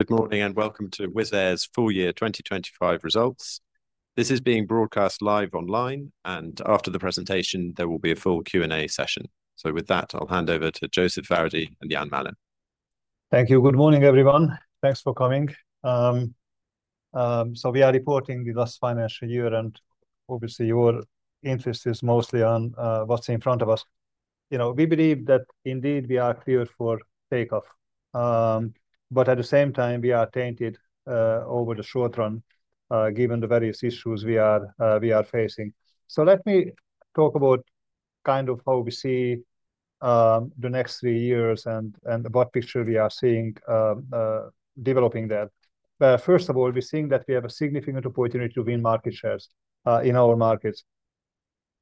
Good morning and welcome to Wizz Air's full year 2025 results. This is being broadcast live online, and after the presentation, there will be a full Q&A session. With that, I'll hand over to József Váradi and Ian Malin. Thank you. Good morning, everyone. Thanks for coming. We are reporting the last financial year, and obviously your interest is mostly on what's in front of us. You know, we believe that indeed we are cleared for takeoff. At the same time, we are tainted over the short run, given the various issues we are facing. Let me talk about kind of how we see the next three years and what picture we are seeing developing there. First of all, we're seeing that we have a significant opportunity to win market shares in our markets.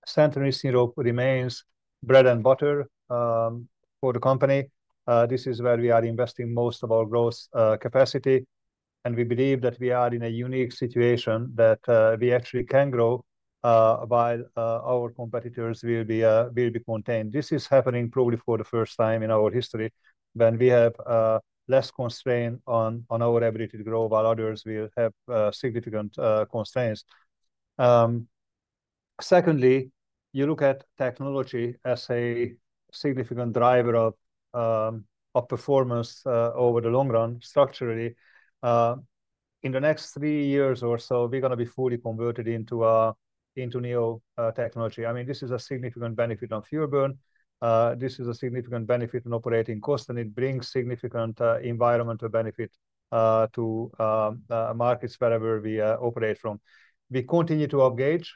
Central and East Europe remains bread and butter for the company. This is where we are investing most of our growth capacity, and we believe that we are in a unique situation that we actually can grow while our competitors will be contained. This is happening probably for the first time in our history when we have less constraint on our ability to grow, while others will have significant constraints. Secondly, you look at technology as a significant driver of performance over the long run structurally. In the next three years or so, we're gonna be fully converted into new technology. I mean, this is a significant benefit on fuel burn. This is a significant benefit on operating cost, and it brings significant environmental benefit to markets wherever we operate from. We continue to up gauge.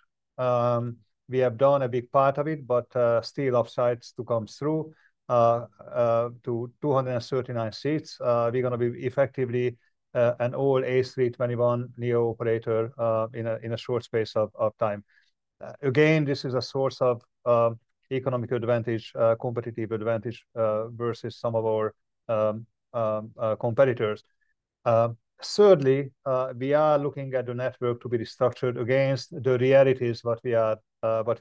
We have done a big part of it, but still upsides to come through, to 239 seats. We're gonna be effectively an all A321neo operator in a short space of time. Again, this is a source of economic advantage, competitive advantage, versus some of our competitors. Thirdly, we are looking at the network to be restructured against the realities that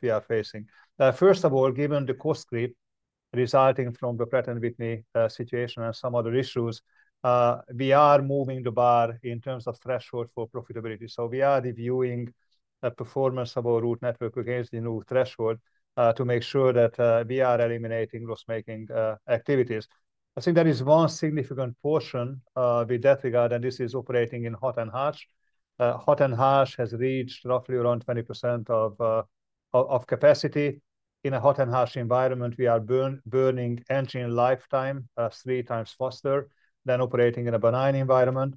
we are facing. First of all, given the cost creep resulting from the Pratt & Whitney situation and some other issues, we are moving the bar in terms of threshold for profitability. We are reviewing the performance of our route network against the new threshold to make sure that we are eliminating loss-making activities. I think there is one significant portion with that regard, and this is operating in hot and harsh. Hot and harsh has reached roughly around 20% of capacity. In a hot and harsh environment, we are burning engine lifetime three times faster than operating in a benign environment.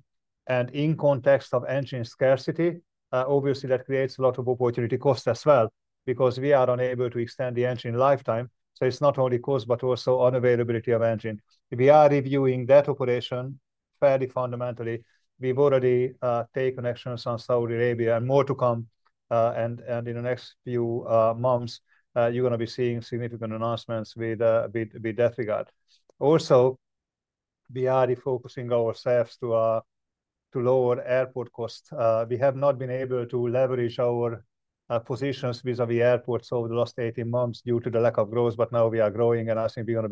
In context of engine scarcity, obviously that creates a lot of opportunity cost as well, because we are unable to extend the engine lifetime. It is not only cost, but also unavailability of engine. We are reviewing that operation fairly fundamentally. We've already taken actions on Saudi Arabia and more to come, and in the next few months, you're gonna be seeing significant announcements with that regard. Also, we are refocusing ourselves to lower airport costs. We have not been able to leverage our positions vis-à-vis airports over the last 18 months due to the lack of growth, but now we are growing, and I think we're gonna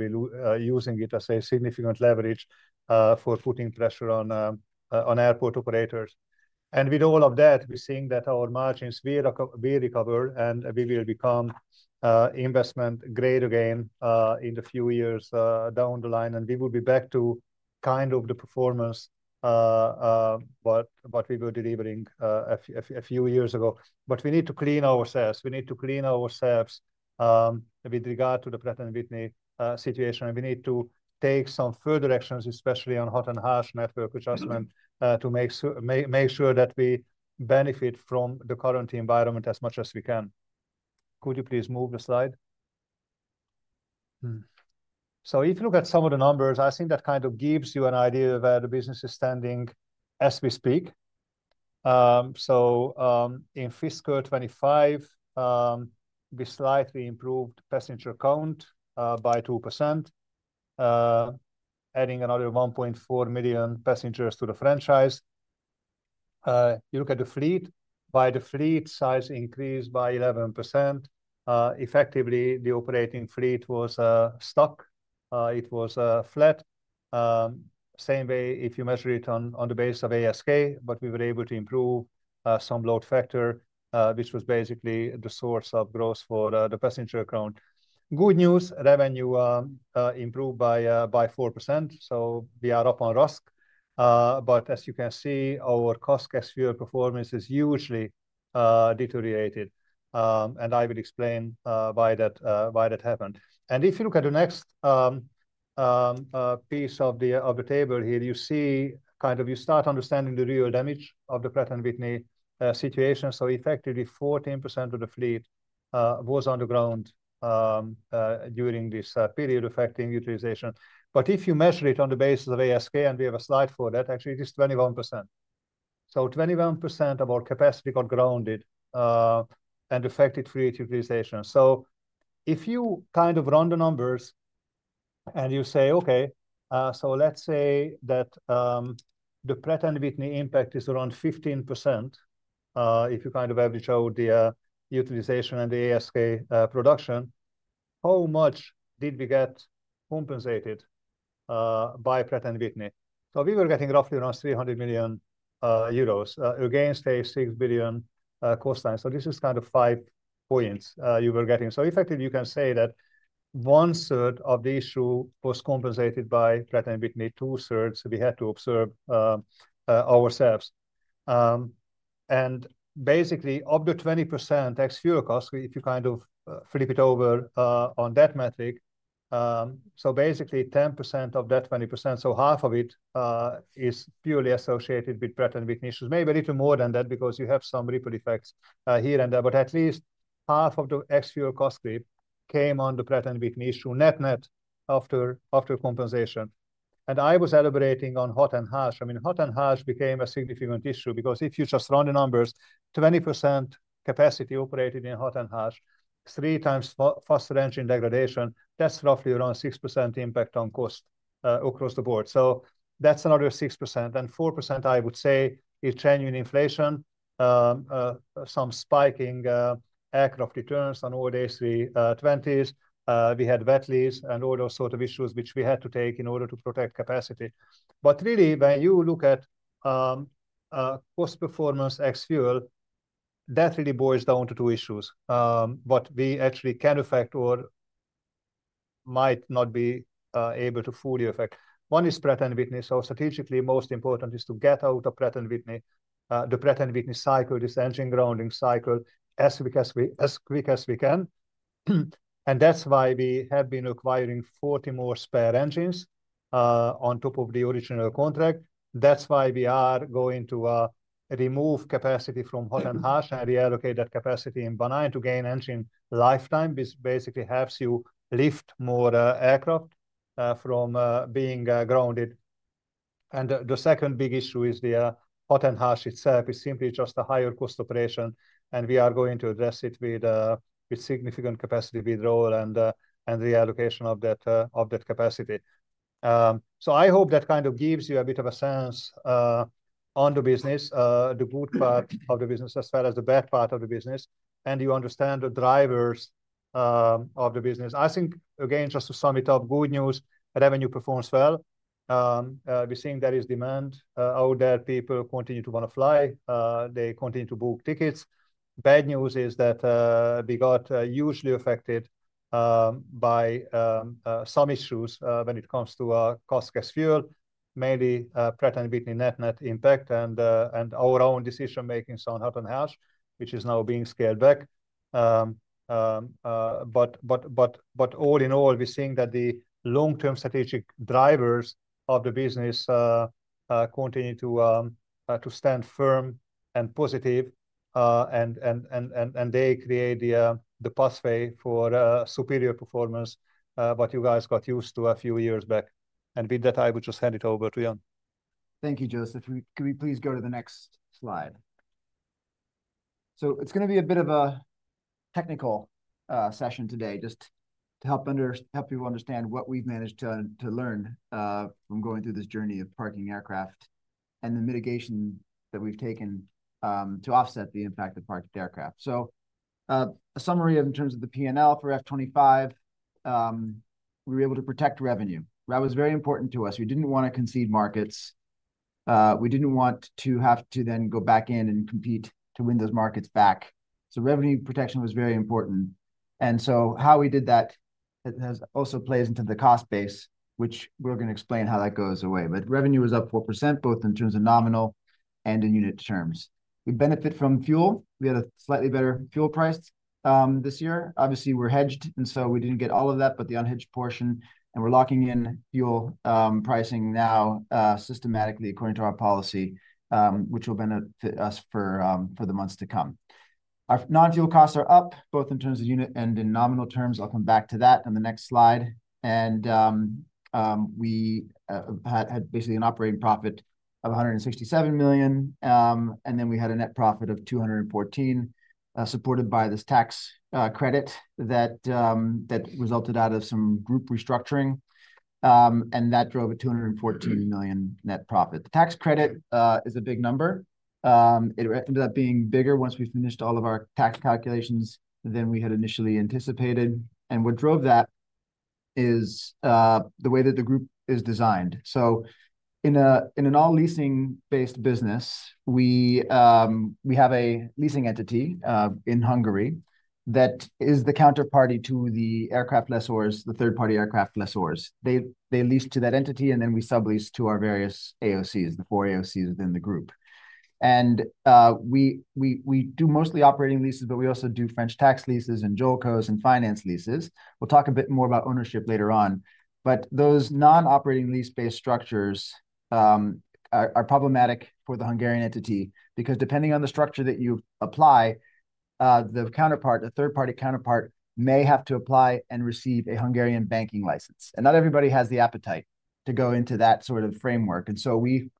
be using it as a significant leverage for putting pressure on airport operators. With all of that, we're seeing that our margins will recover, will recover, and we will become investment grade again in the few years down the line, and we will be back to kind of the performance, what, what we were delivering a few, a few years ago. We need to clean ourselves. We need to clean ourselves with regard to the Pratt & Whitney situation, and we need to take some further actions, especially on hot and harsh network adjustment, to make sure that we benefit from the current environment as much as we can. Could you please move the slide? If you look at some of the numbers, I think that kind of gives you an idea of where the business is standing as we speak. In fiscal 2025, we slightly improved passenger count by 2%, adding another 1.4 million passengers to the franchise. You look at the fleet, the fleet size increased by 11%. Effectively, the operating fleet was stuck. It was flat. Same way if you measure it on the base of ASK, but we were able to improve some load factor, which was basically the source of growth for the passenger count. Good news, revenue improved by 4%. We are up on RASK. As you can see, our cost, gas, fuel performance is hugely deteriorated. I will explain why that happened. If you look at the next piece of the table here, you see you start understanding the real damage of the Pratt & Whitney situation. Effectively, 14% of the fleet was on the ground during this period, affecting utilization. If you measure it on the basis of ASK, and we have a slide for that, actually, it is 21%. So 21% of our capacity got grounded, and affected fleet utilization. If you kind of run the numbers and you say, okay, let's say that the Pratt & Whitney impact is around 15%, if you kind of average out the utilization and the ASK production, how much did we get compensated by Pratt & Whitney? We were getting roughly around 300 million euros against a 6 billion cost line. This is kind of five points you were getting. Effectively, you can say that one third of the issue was compensated by Pratt & Whitney, two thirds we had to observe ourselves. and basically of the 20% ex-fuel cost, if you kind of flip it over, on that metric, so basically 10% of that 20%, so half of it, is purely associated with Pratt & Whitney issues, maybe a little more than that because you have some ripple effects, here and there, but at least half of the ex-fuel cost creep came on the Pratt & Whitney issue net-net after, after compensation. I was elaborating on hot and harsh. I mean, hot and harsh became a significant issue because if you just run the numbers, 20% capacity operated in hot and harsh, three times faster engine degradation, that's roughly around 6% impact on cost, across the board. That's another 6%. Four percent I would say is genuine inflation, some spiking, aircraft returns on old days, we, twenties, we had wet lease and all those sort of issues which we had to take in order to protect capacity. Really, when you look at cost performance ex-fuel, that really boils down to two issues, what we actually can affect or might not be able to fully affect. One is Pratt & Whitney. Strategically, most important is to get out of Pratt & Whitney, the Pratt & Whitney cycle, this engine grounding cycle as quick as we can. That is why we have been acquiring 40 more spare engines, on top of the original contract. That is why we are going to remove capacity from hot and harsh and reallocate that capacity in benign to gain engine lifetime, which basically helps you lift more aircraft from being grounded. The second big issue is the hot and harsh itself is simply just a higher cost operation, and we are going to address it with significant capacity withdrawal and reallocation of that capacity. I hope that kind of gives you a bit of a sense on the business, the good part of the business as well as the bad part of the business, and you understand the drivers of the business. I think, again, just to sum it up, good news, revenue performs well. We're seeing there is demand out there. People continue to wanna fly. They continue to book tickets. Bad news is that we got hugely affected by some issues when it comes to cost, gas, fuel, mainly Pratt & Whitney net-net impact and our own decision making on hot and harsh, which is now being scaled back. All in all, we're seeing that the long-term strategic drivers of the business continue to stand firm and positive, and they create the pathway for superior performance, what you guys got used to a few years back. With that, I would just hand it over to Ian. Thank you, József. Could we please go to the next slide? It's gonna be a bit of a technical session today just to help you understand what we've managed to learn from going through this journey of parking aircraft and the mitigation that we've taken to offset the impact of parked aircraft. A summary in terms of the P&L for F 2025, we were able to protect revenue. That was very important to us. We didn't want to concede markets. We didn't want to have to then go back in and compete to win those markets back. Revenue protection was very important. How we did that also plays into the cost base, which we're gonna explain how that goes away. Revenue was up 4%, both in terms of nominal and in unit terms. We benefit from fuel. We had a slightly better fuel price this year. Obviously, we're hedged, and so we didn't get all of that, but the unhedged portion, and we're locking in fuel pricing now, systematically according to our policy, which will benefit us for the months to come. Our non-fuel costs are up both in terms of unit and in nominal terms. I'll come back to that on the next slide. We had basically an operating profit of 167 million, and then we had a net profit of 214 million, supported by this tax credit that resulted out of some group restructuring, and that drove a 214 million net profit. The tax credit is a big number. It ended up being bigger once we finished all of our tax calculations than we had initially anticipated. What drove that is the way that the group is designed. In an all leasing-based business, we have a leasing entity in Hungary that is the counterparty to the aircraft lessors, the third-party aircraft lessors. They lease to that entity, and then we sublease to our various AOCs, the four AOCs within the group. We do mostly operating leases, but we also do French tax leases and JOLCOs and finance leases. We'll talk a bit more about ownership later on, but those non-operating lease-based structures are problematic for the Hungarian entity because depending on the structure that you apply, the third-party counterpart may have to apply and receive a Hungarian banking license. Not everybody has the appetite to go into that sort of framework. We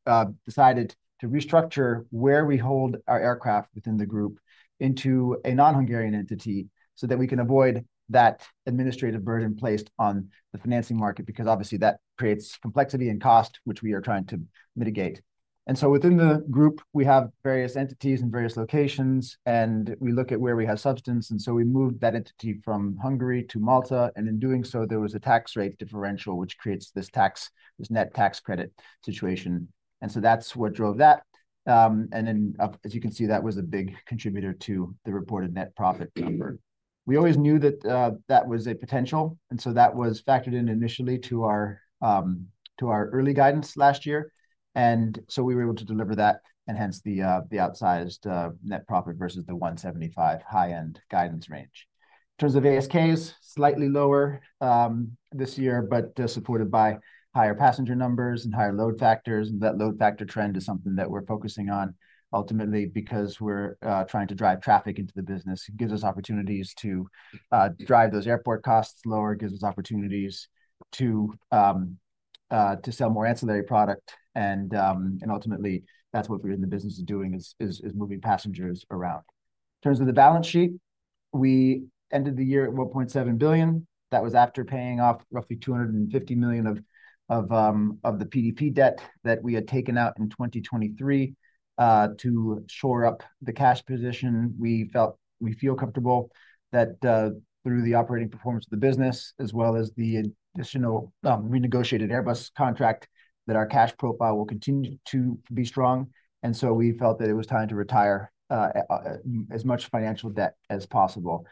decided to restructure where we hold our aircraft within the group into a non-Hungarian entity so that we can avoid that administrative burden placed on the financing market because obviously that creates complexity and cost, which we are trying to mitigate. Within the group, we have various entities in various locations, and we look at where we have substance. We moved that entity from Hungary to Malta. In doing so, there was a tax rate differential, which creates this tax, this net tax credit situation. That is what drove that. As you can see, that was a big contributor to the reported net profit number. We always knew that was a potential. That was factored in initially to our early guidance last year. We were able to deliver that and hence the outsized net profit versus the 175 million high-end guidance range. In terms of ASKs, slightly lower this year, but supported by higher passenger numbers and higher load factors. That load factor trend is something that we are focusing on ultimately because we are trying to drive traffic into the business. It gives us opportunities to drive those airport costs lower, gives us opportunities to sell more ancillary product. Ultimately, that is what we are in the business of doing, moving passengers around. In terms of the balance sheet, we ended the year at 1.7 billion. That was after paying off roughly 250 million of the PDP debt that we had taken out in 2023 to shore up the cash position. We felt, we feel comfortable that, through the operating performance of the business as well as the additional, renegotiated Airbus contract, that our cash profile will continue to be strong. We felt that it was time to retire as much financial debt as possible.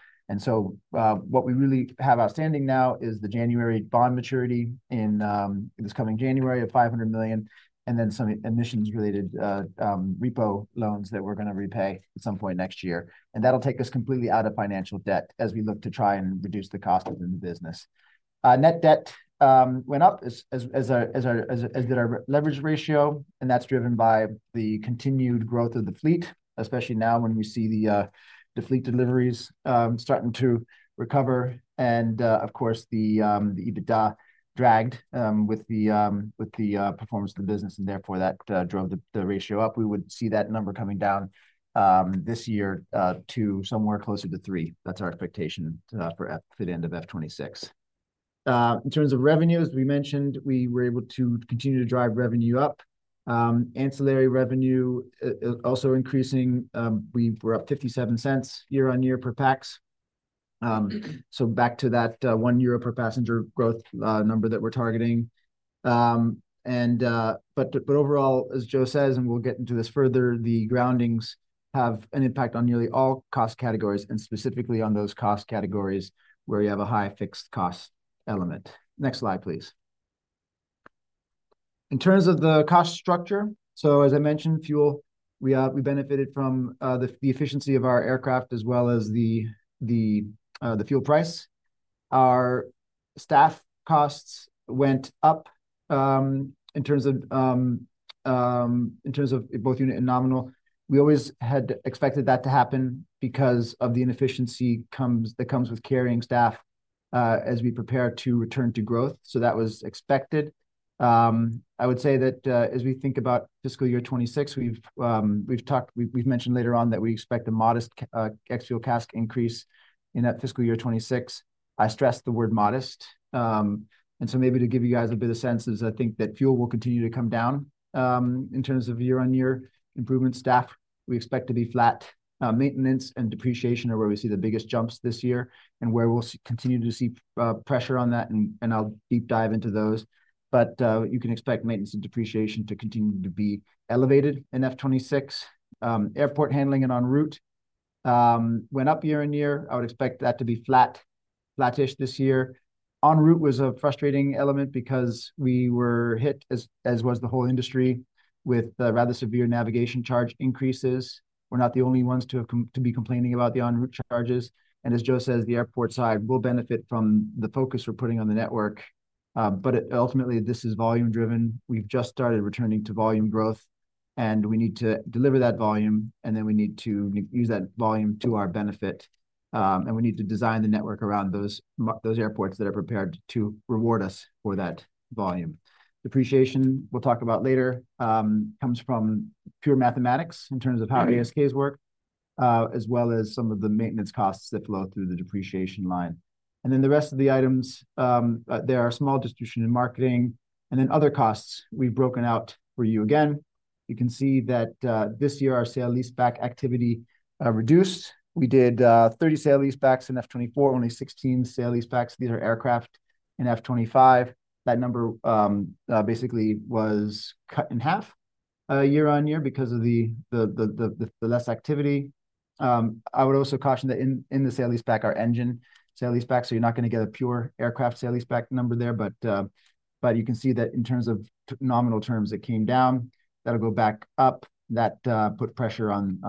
What we really have outstanding now is the January bond maturity in this coming January of 500 million and then some emissions-related repo loans that we're gonna repay at some point next year. That'll take us completely out of financial debt as we look to try and reduce the cost within the business. Net debt went up as did our leverage ratio. That's driven by the continued growth of the fleet, especially now when we see the fleet deliveries starting to recover. Of course, the EBITDA dragged with the performance of the business. Therefore, that drove the ratio up. We would see that number coming down this year to somewhere closer to three. That is our expectation for at the end of F2026. In terms of revenues, we mentioned we were able to continue to drive revenue up. Ancillary revenue also increasing. We were up 0.57 year on year per pax, so back to that 1 euro per passenger growth number that we are targeting. Overall, as Joe says, and we will get into this further, the groundings have an impact on nearly all cost categories and specifically on those cost categories where you have a high fixed cost element. Next slide, please. In terms of the cost structure, as I mentioned, fuel, we benefited from the efficiency of our aircraft as well as the fuel price. Our staff costs went up, in terms of both unit and nominal. We always had expected that to happen because of the inefficiency that comes with carrying staff, as we prepare to return to growth. That was expected. I would say that, as we think about fiscal year 2026, we've talked, we've mentioned later on that we expect a modest ex-fuel CASK increase in that fiscal year 2026. I stressed the word modest. Maybe to give you guys a bit of sense is I think that fuel will continue to come down, in terms of year on year improvement staff. We expect to be flat. Maintenance and depreciation are where we see the biggest jumps this year and where we'll continue to see pressure on that. I'll deep dive into those, but you can expect maintenance and depreciation to continue to be elevated in F 2026. Airport handling and en route went up year on year. I would expect that to be flat, flattish this year. En route was a frustrating element because we were hit, as was the whole industry, with rather severe navigation charge increases. We're not the only ones to be complaining about the en route charges. As Joe says, the airport side will benefit from the focus we're putting on the network. Ultimately, this is volume driven. We've just started returning to volume growth and we need to deliver that volume and then we need to use that volume to our benefit. We need to design the network around those airports that are prepared to reward us for that volume. Depreciation, we'll talk about later, comes from pure mathematics in terms of how ASKs work, as well as some of the maintenance costs that flow through the depreciation line. The rest of the items, there are small distribution and marketing and then other costs we've broken out for you. Again, you can see that this year our sale lease back activity reduced. We did 30 sale lease backs in F 2024, only 16 sale lease backs. These are aircraft in F 2025. That number basically was cut in half year on year because of the less activity. I would also caution that in the sale lease back, our engine sale lease back, you're not gonna get a pure aircraft sale lease back number there, but you can see that in terms of nominal terms, it came down, that'll go back up. That put pressure on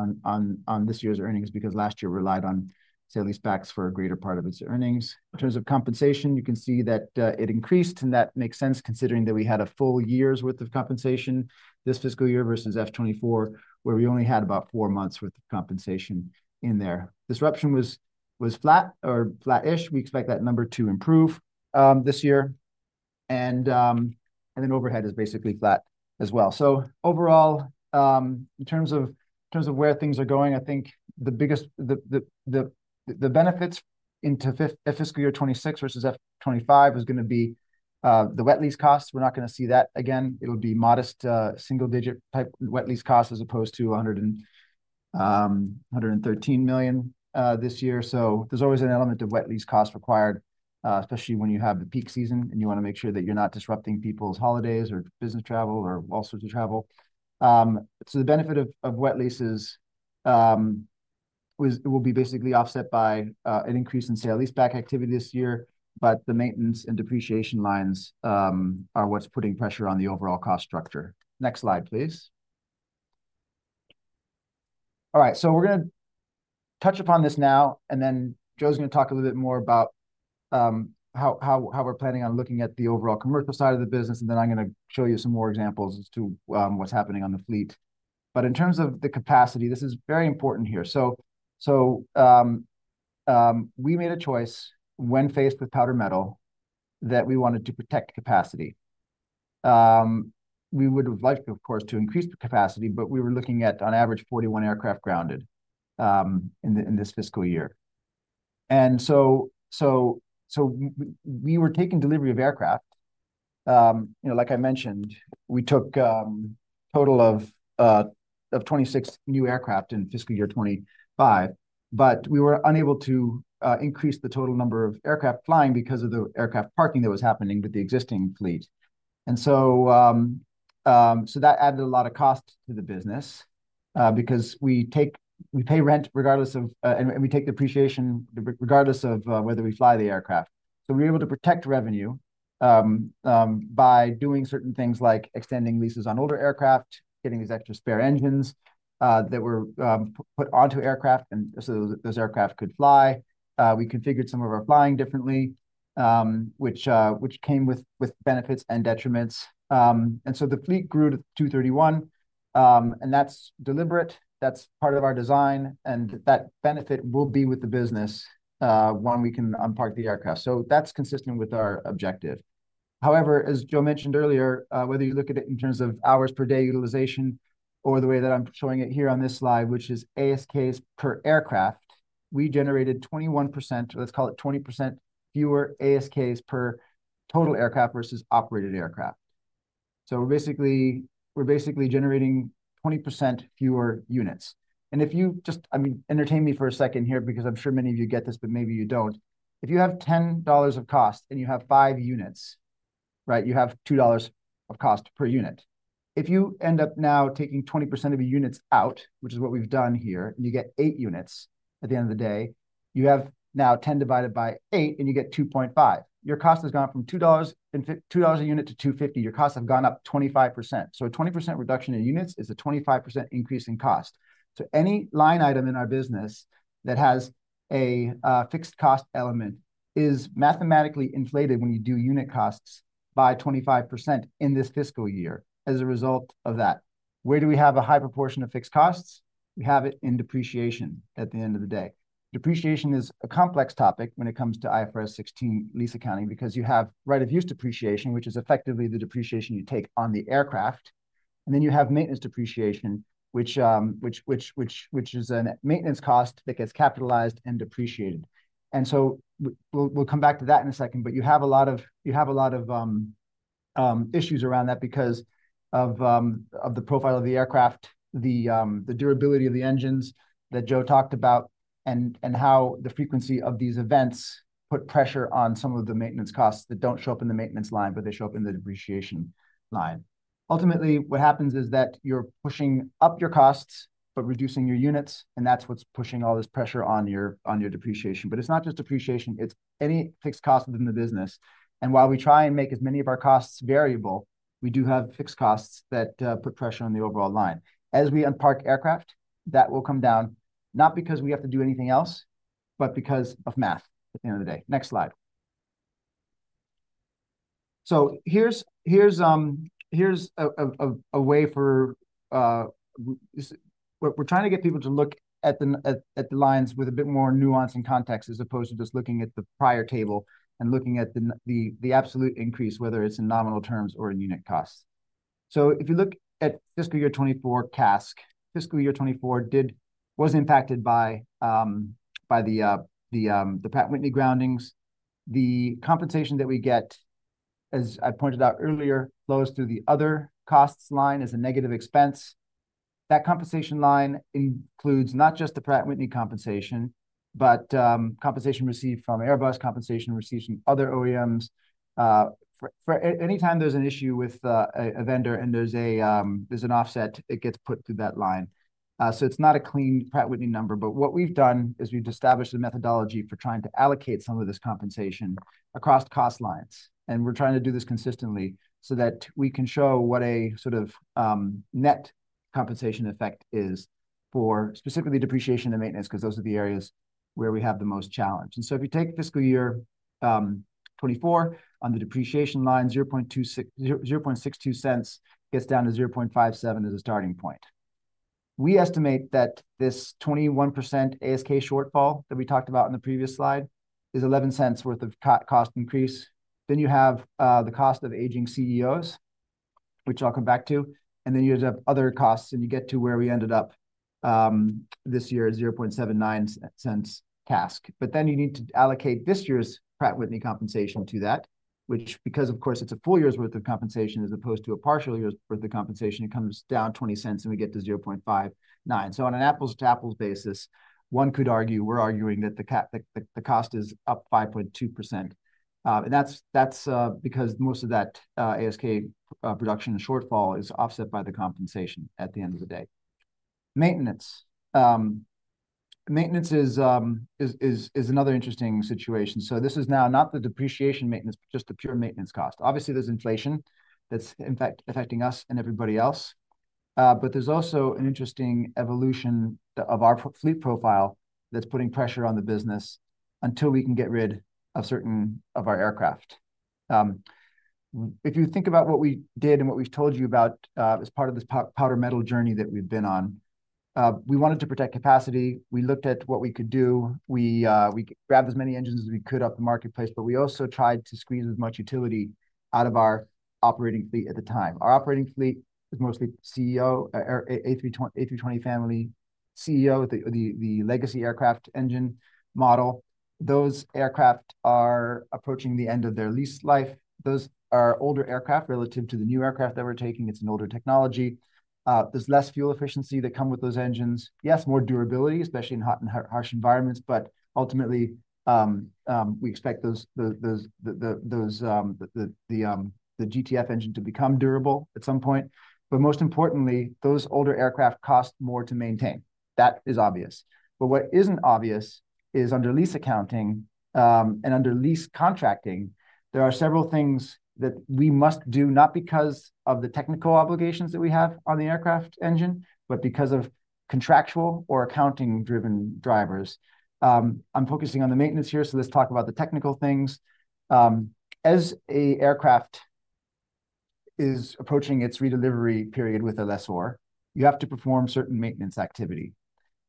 this year's earnings because last year relied on sale lease backs for a greater part of its earnings. In terms of compensation, you can see that it increased and that makes sense considering that we had a full year's worth of compensation this fiscal year versus 2024, where we only had about four months' worth of compensation in there. Disruption was flat or flattish. We expect that number to improve this year. Then overhead is basically flat as well. Overall, in terms of where things are going, I think the biggest benefits into fiscal year 2026 versus fiscal year 2025 is gonna be the wet lease costs. We're not gonna see that again. It'll be modest, single-digit type wet lease costs as opposed to 113 million this year. There's always an element of wet lease cost required, especially when you have the peak season and you wanna make sure that you're not disrupting people's holidays or business travel or all sorts of travel. The benefit of wet leases will be basically offset by an increase in sale-and-leaseback activity this year. The maintenance and depreciation lines are what's putting pressure on the overall cost structure. Next slide, please. All right. We're gonna touch upon this now. Joe's gonna talk a little bit more about how we're planning on looking at the overall commercial side of the business. I'm gonna show you some more examples as to what's happening on the fleet. In terms of the capacity, this is very important here. We made a choice when faced with powder metal that we wanted to protect capacity. We would have liked, of course, to increase the capacity, but we were looking at on average 41 aircraft grounded in this fiscal year. We were taking delivery of aircraft. You know, like I mentioned, we took a total of 26 new aircraft in fiscal year 2025, but we were unable to increase the total number of aircraft flying because of the aircraft parking that was happening with the existing fleet. That added a lot of cost to the business, because we pay rent regardless of, and we take the depreciation regardless of, whether we fly the aircraft. We were able to protect revenue by doing certain things like extending leases on older aircraft, getting these extra spare engines that were put onto aircraft and so those aircraft could fly. We configured some of our flying differently, which came with benefits and detriments. The fleet grew to 231, and that's deliberate. That's part of our design. That benefit will be with the business when we can unpark the aircraft. That is consistent with our objective. However, as Joe mentioned earlier, whether you look at it in terms of hours per day utilization or the way that I'm showing it here on this slide, which is ASKs per aircraft, we generated 21%, let's call it 20% fewer ASKs per total aircraft versus operated aircraft. So we're basically, we're basically generating 20% fewer units. And if you just, I mean, entertain me for a second here because I'm sure many of you get this, but maybe you don't. If you have $10 of cost and you have five units, right? You have $2 of cost per unit. If you end up now taking 20% of the units out, which is what we've done here, and you get eight units at the end of the day, you have now 10 divided by eight and you get 2.5. Your cost has gone from $2 and $2 a unit to $250. Your costs have gone up 25%. A 20% reduction in units is a 25% increase in cost. Any line item in our business that has a fixed cost element is mathematically inflated when you do unit costs by 25% in this fiscal year as a result of that. Where do we have a high proportion of fixed costs? We have it in depreciation at the end of the day. Depreciation is a complex topic when it comes to IFRS 16 lease accounting because you have right of use depreciation, which is effectively the depreciation you take on the aircraft. Then you have maintenance depreciation, which is a maintenance cost that gets capitalized and depreciated. We'll come back to that in a second, but you have a lot of issues around that because of the profile of the aircraft, the durability of the engines that Joe talked about, and how the frequency of these events put pressure on some of the maintenance costs that do not show up in the maintenance line, but they show up in the depreciation line. Ultimately, what happens is that you're pushing up your costs but reducing your units, and that's what's pushing all this pressure on your depreciation. It is not just depreciation, it is any fixed cost within the business. While we try and make as many of our costs variable, we do have fixed costs that put pressure on the overall line. As we unpark aircraft, that will come down not because we have to do anything else, but because of math at the end of the day. Next slide. Here is a way for, we are trying to get people to look at the lines with a bit more nuance and context as opposed to just looking at the prior table and looking at the absolute increase, whether it is in nominal terms or in unit costs. If you look at fiscal year 2024 CASK, fiscal year 2024 was impacted by the Pratt & Whitney groundings. The compensation that we get, as I pointed out earlier, flows through the other costs line as a negative expense. That compensation line includes not just the Pratt & Whitney compensation, but compensation received from Airbus, compensation received from other OEMs. For anytime there's an issue with a vendor and there's an offset, it gets put through that line. It is not a clean Pratt & Whitney number, but what we've done is we've established a methodology for trying to allocate some of this compensation across cost lines. We are trying to do this consistently so that we can show what a sort of net compensation effect is for specifically depreciation and maintenance, 'cause those are the areas where we have the most challenge. If you take fiscal year 2024 on the depreciation line, 0.62 gets down to 0.57 as a starting point. We estimate that this 21% ASK shortfall that we talked about in the previous slide is 0.11 worth of CASK increase. You have the cost of aging CEOs, which I'll come back to, and you end up with other costs and you get to where we ended up this year at 0.79 CASK. You need to allocate this year's Pratt & Whitney compensation to that, which, because of course, it's a full year's worth of compensation as opposed to a partial year's worth of compensation, it comes down 0.20 and we get to 0.59. On an apples to apples basis, one could argue we're arguing that the cost is up 5.2%. That's because most of that ASK production and shortfall is offset by the compensation at the end of the day. Maintenance is another interesting situation. This is now not the depreciation maintenance, but just the pure maintenance cost. Obviously, there's inflation that's in fact affecting us and everybody else. There is also an interesting evolution of our fleet profile that's putting pressure on the business until we can get rid of certain of our aircraft. If you think about what we did and what we've told you about, as part of this powder metal journey that we've been on, we wanted to protect capacity. We looked at what we could do. We grabbed as many engines as we could off the marketplace, but we also tried to squeeze as much utility out of our operating fleet at the time. Our operating fleet is mostly CEO, A320, A320 family CEO, the legacy aircraft engine model. Those aircraft are approaching the end of their lease life. Those are older aircraft relative to the new aircraft that we're taking. It's an older technology. There's less fuel efficiency that comes with those engines. Yes, more durability, especially in hot and harsh environments. Ultimately, we expect the GTF engine to become durable at some point. Most importantly, those older aircraft cost more to maintain. That is obvious. What is not obvious is under lease accounting, and under lease contracting, there are several things that we must do, not because of the technical obligations that we have on the aircraft engine, but because of contractual or accounting driven drivers. I'm focusing on the maintenance here, so let's talk about the technical things. As an aircraft is approaching its redelivery period with a lessor, you have to perform certain maintenance activity.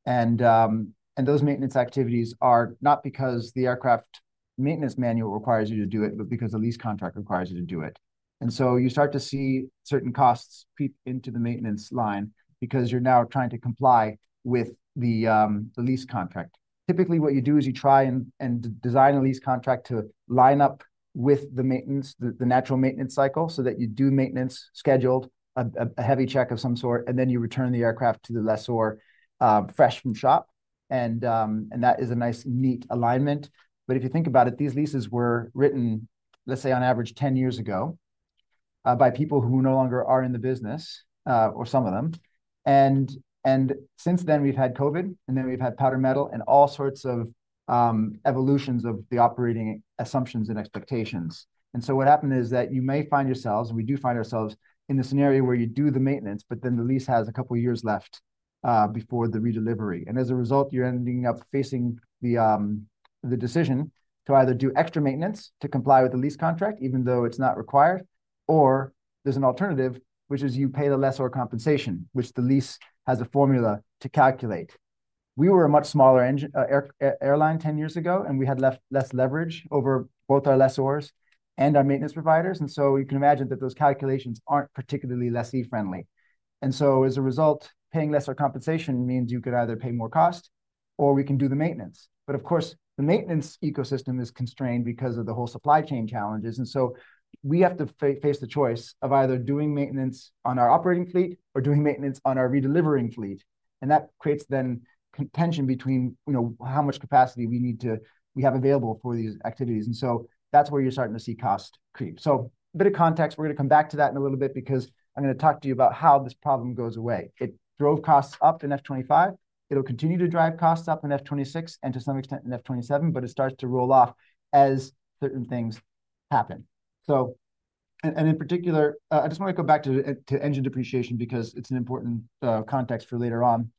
Those maintenance activities are not because the aircraft maintenance manual requires you to do it, but because the lease contract requires you to do it. You start to see certain costs peep into the maintenance line because you're now trying to comply with the lease contract. Typically, what you do is you try and design a lease contract to line up with the natural maintenance cycle so that you do maintenance scheduled, a heavy check of some sort, and then you return the aircraft to the lessor, fresh from shop. That is a nice neat alignment. If you think about it, these leases were written, let's say, on average 10 years ago, by people who no longer are in the business, or some of them. Since then we've had COVID and then we've had powder metal and all sorts of evolutions of the operating assumptions and expectations. What happened is that you may find yourselves, and we do find ourselves in the scenario where you do the maintenance, but then the lease has a couple years left before the redelivery. As a result, you're ending up facing the decision to either do extra maintenance to comply with the lease contract, even though it's not required, or there's an alternative, which is you pay the lessor compensation, which the lease has a formula to calculate. We were a much smaller engine airline 10 years ago, and we had less leverage over both our lessors and our maintenance providers. You can imagine that those calculations aren't particularly lessor-friendly. As a result, paying lesser compensation means you could either pay more cost or we can do the maintenance. Of course, the maintenance ecosystem is constrained because of the whole supply chain challenges. We have to face the choice of either doing maintenance on our operating fleet or doing maintenance on our redelivering fleet. That creates then contention between, you know, how much capacity we need to, we have available for these activities. That is where you're starting to see cost creep. A bit of context, we're gonna come back to that in a little bit because I'm gonna talk to you about how this problem goes away. It drove costs up in F 2025. It'll continue to drive costs up in F2026 and to some extent in F 2027, but it starts to roll off as certain things happen. I just wanna go back to engine depreciation because it's an important context for later on.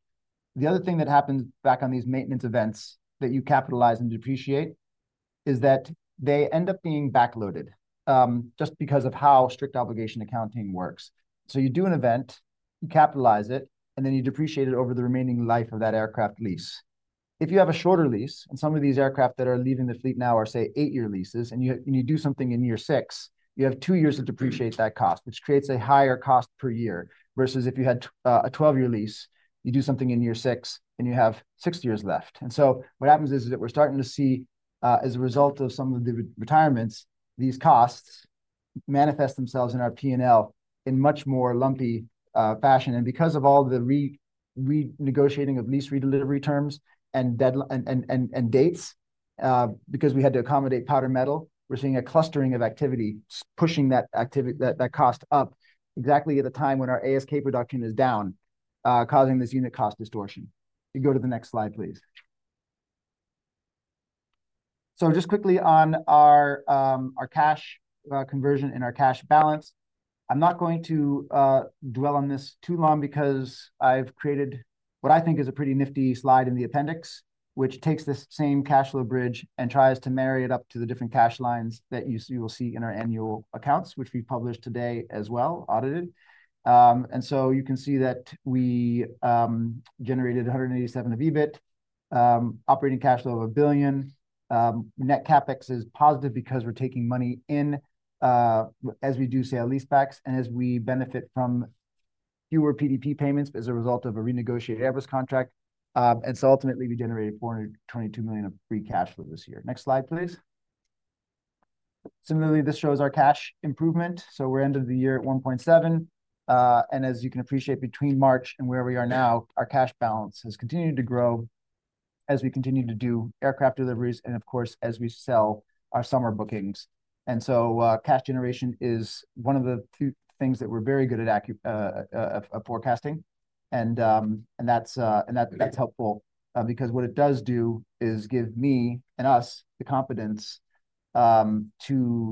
The other thing that happens back on these maintenance events that you capitalize and depreciate is that they end up being backloaded, just because of how strict obligation accounting works. You do an event, you capitalize it, and then you depreciate it over the remaining life of that aircraft lease. If you have a shorter lease and some of these aircraft that are leaving the fleet now are, say, eight-year leases and you do something in year six, you have two years to depreciate that cost, which creates a higher cost per year versus if you had a 12-year lease, you do something in year six and you have six years left. What happens is that we're starting to see, as a result of some of the retirements, these costs manifest themselves in our P&L in much more lumpy fashion. Because of all the re-renegotiating of lease redelivery terms and deadlines and dates, because we had to accommodate powder metal, we're seeing a clustering of activity pushing that activity, that cost up exactly at the time when our ASK production is down, causing this unit cost distortion. You go to the next slide, please. Just quickly on our cash conversion and our cash balance. I'm not going to dwell on this too long because I've created what I think is a pretty nifty slide in the appendix, which takes this same cash flow bridge and tries to marry it up to the different cash lines that you will see in our annual accounts, which we published today as well audited. You can see that we generated 187 million of EBIT, operating cash flow of 1 billion. Net CapEx is positive because we're taking money in, as we do sale leasebacks and as we benefit from fewer PDP payments as a result of a renegotiated Airbus contract. Ultimately, we generated 422 million of free cash flow this year. Next slide, please. Similarly, this shows our cash improvement. We are end of the year at 1.7 billion. As you can appreciate, between March and where we are now, our cash balance has continued to grow as we continue to do aircraft deliveries and, of course, as we sell our summer bookings. Cash generation is one of the two things that we're very good at, forecasting. That's helpful, because what it does do is give me and us the confidence to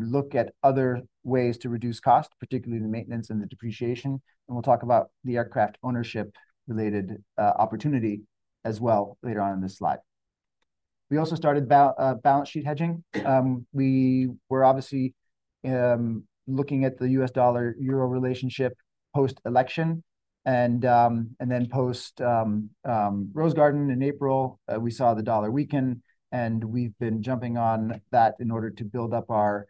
look at other ways to reduce cost, particularly the maintenance and the depreciation. We'll talk about the aircraft ownership related opportunity as well later on in this slide. We also started balance sheet hedging. We were obviously looking at the U.S. dollar euro relationship post election, and then post Rose Garden in April, we saw the dollar weaken and we've been jumping on that in order to build up our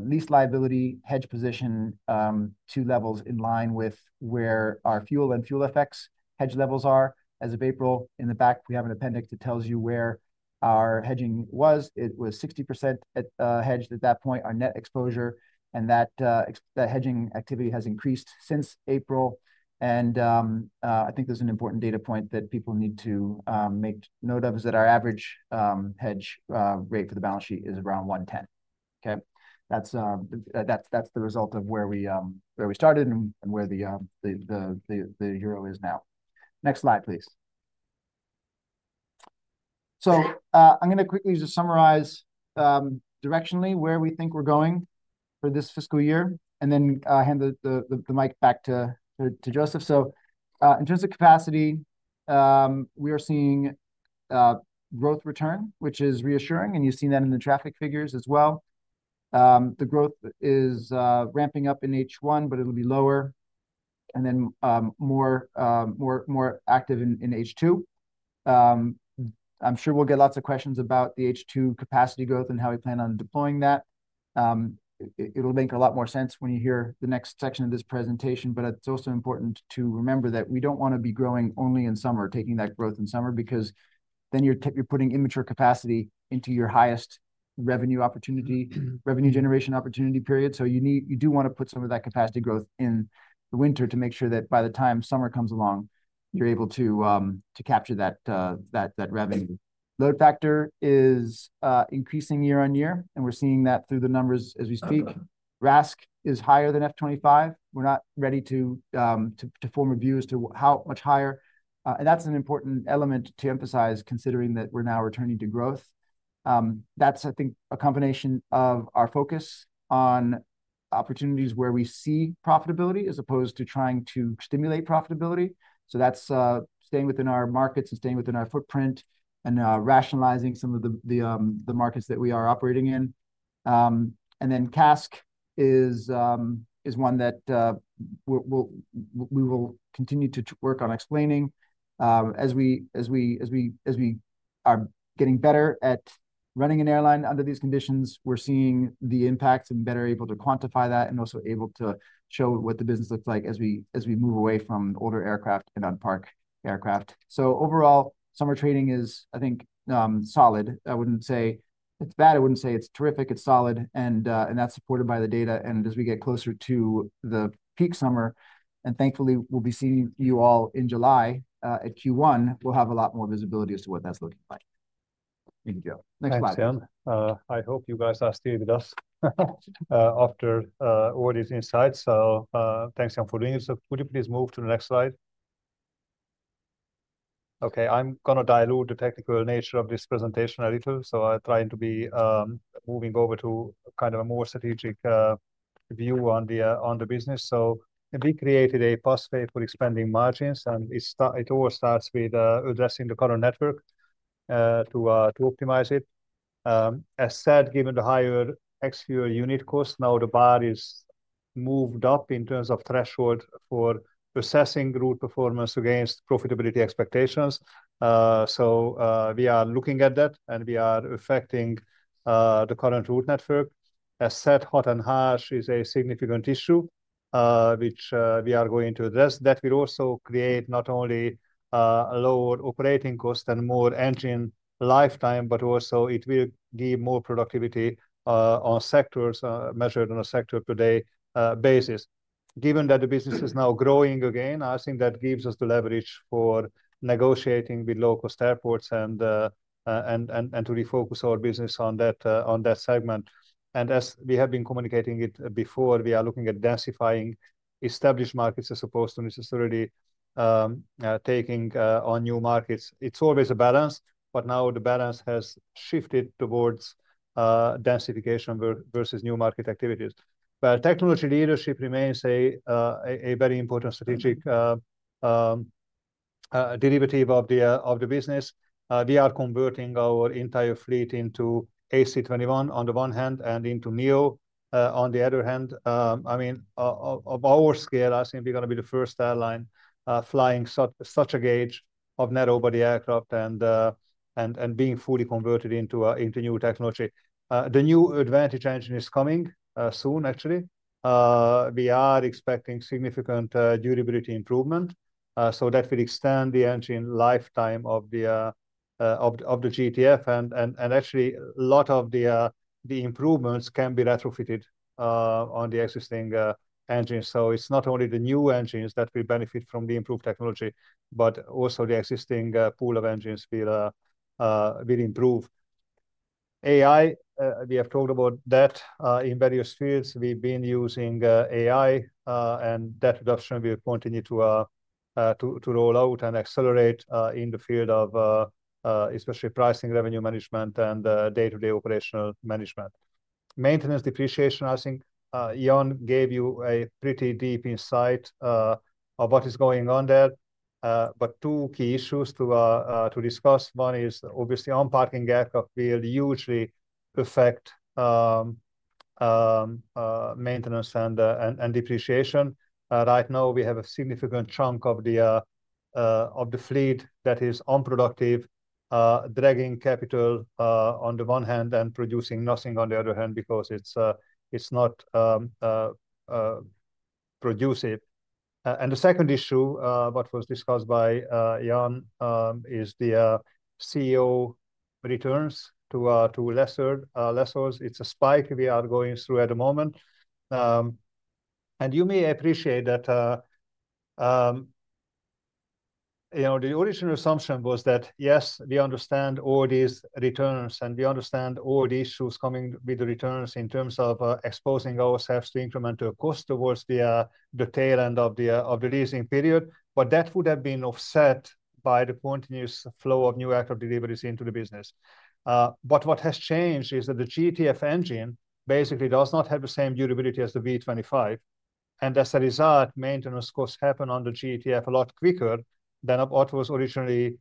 lease liability hedge position to levels in line with where our fuel and fuel FX hedge levels are as of April. In the back, we have an appendix that tells you where our hedging was. It was 60% hedged at that point, our net exposure, and that hedging activity has increased since April. I think there's an important data point that people need to make note of is that our average hedge rate for the balance sheet is around 1.10. Okay. That's the result of where we started and where the euro is now. Next slide, please. I'm gonna quickly just summarize, directionally where we think we're going for this fiscal year and then hand the mic back to Joseph. In terms of capacity, we are seeing growth return, which is reassuring, and you've seen that in the traffic figures as well. The growth is ramping up in H1, but it'll be lower and then more active in H2. I'm sure we'll get lots of questions about the H2 capacity growth and how we plan on deploying that. It'll make a lot more sense when you hear the next section of this presentation, but it's also important to remember that we don't wanna be growing only in summer, taking that growth in summer because then you're putting immature capacity into your highest revenue opportunity, revenue generation opportunity period. You do wanna put some of that capacity growth in the winter to make sure that by the time summer comes along, you're able to capture that revenue. Load factor is increasing year on year and we're seeing that through the numbers as we speak. RASK is higher than F 2025. We're not ready to form reviews to how much higher, and that's an important element to emphasize considering that we're now returning to growth. That's, I think, a combination of our focus on opportunities where we see profitability as opposed to trying to stimulate profitability. That's staying within our markets and staying within our footprint and rationalizing some of the markets that we are operating in. CASK is one that we will continue to work on explaining, as we are getting better at running an airline under these conditions. We are seeing the impacts and better able to quantify that and also able to show what the business looks like as we move away from older aircraft and unparked aircraft. Overall, summer training is, I think, solid. I would not say it is bad. I would not say it is terrific. It is solid, and that is supported by the data. As we get closer to the peak summer, and thankfully we will be seeing you all in July at Q1, we will have a lot more visibility as to what that is looking like. Thank you, Joe. Next slide. Thanks, Ian. I hope you guys are still with us after all these insights. Thanks, Ian, for doing this. Could you please move to the next slide? Okay. I'm gonna dilute the technical nature of this presentation a little. I'll try to be moving over to kind of a more strategic view on the business. We created a pathway for expanding margins and it all starts with addressing the color network to optimize it. As said, given the higher ex-fuel unit cost, now the bar is moved up in terms of threshold for assessing route performance against profitability expectations. We are looking at that and we are affecting the current route network. As said, hot and harsh is a significant issue, which we are going to address. That will also create not only lower operating cost and more engine lifetime, but also it will give more productivity on sectors, measured on a sector per day basis. Given that the business is now growing again, I think that gives us the leverage for negotiating with low cost airports and to refocus our business on that segment. As we have been communicating it before, we are looking at densifying established markets as opposed to necessarily taking on new markets. It's always a balance, but now the balance has shifted towards densification versus new market activities. Technology leadership remains a very important strategic derivative of the business. We are converting our entire fleet into A321 on the one hand and into NEO on the other hand. I mean, of our scale, I think we're gonna be the first airline flying such a gauge of narrow body aircraft and being fully converted into new technology. The new advantage engine is coming soon actually. We are expecting significant durability improvement, so that will extend the engine lifetime of the GTF and actually a lot of the improvements can be retrofitted on the existing engines. It is not only the new engines that will benefit from the improved technology, but also the existing pool of engines will improve. AI, we have talked about that in various fields. We've been using AI, and that reduction will continue to roll out and accelerate in the field of especially pricing, revenue management, and day-to-day operational management. Maintenance depreciation, I think Ian gave you a pretty deep insight of what is going on there. Two key issues to discuss. One is obviously unparking aircraft will hugely affect maintenance and depreciation. Right now we have a significant chunk of the fleet that is unproductive, dragging capital on the one hand and producing nothing on the other hand because it's not productive. The second issue, what was discussed by Ian, is the CEO returns to lessors. It's a spike we are going through at the moment. You may appreciate that, you know, the original assumption was that yes, we understand all these returns and we understand all the issues coming with the returns in terms of exposing ourselves to incremental cost towards the tail end of the leasing period. That would have been offset by the continuous flow of new aircraft deliveries into the business. What has changed is that the GTF engine basically does not have the same durability as the V2500. As a result, maintenance costs happen on the GTF a lot quicker than what was originally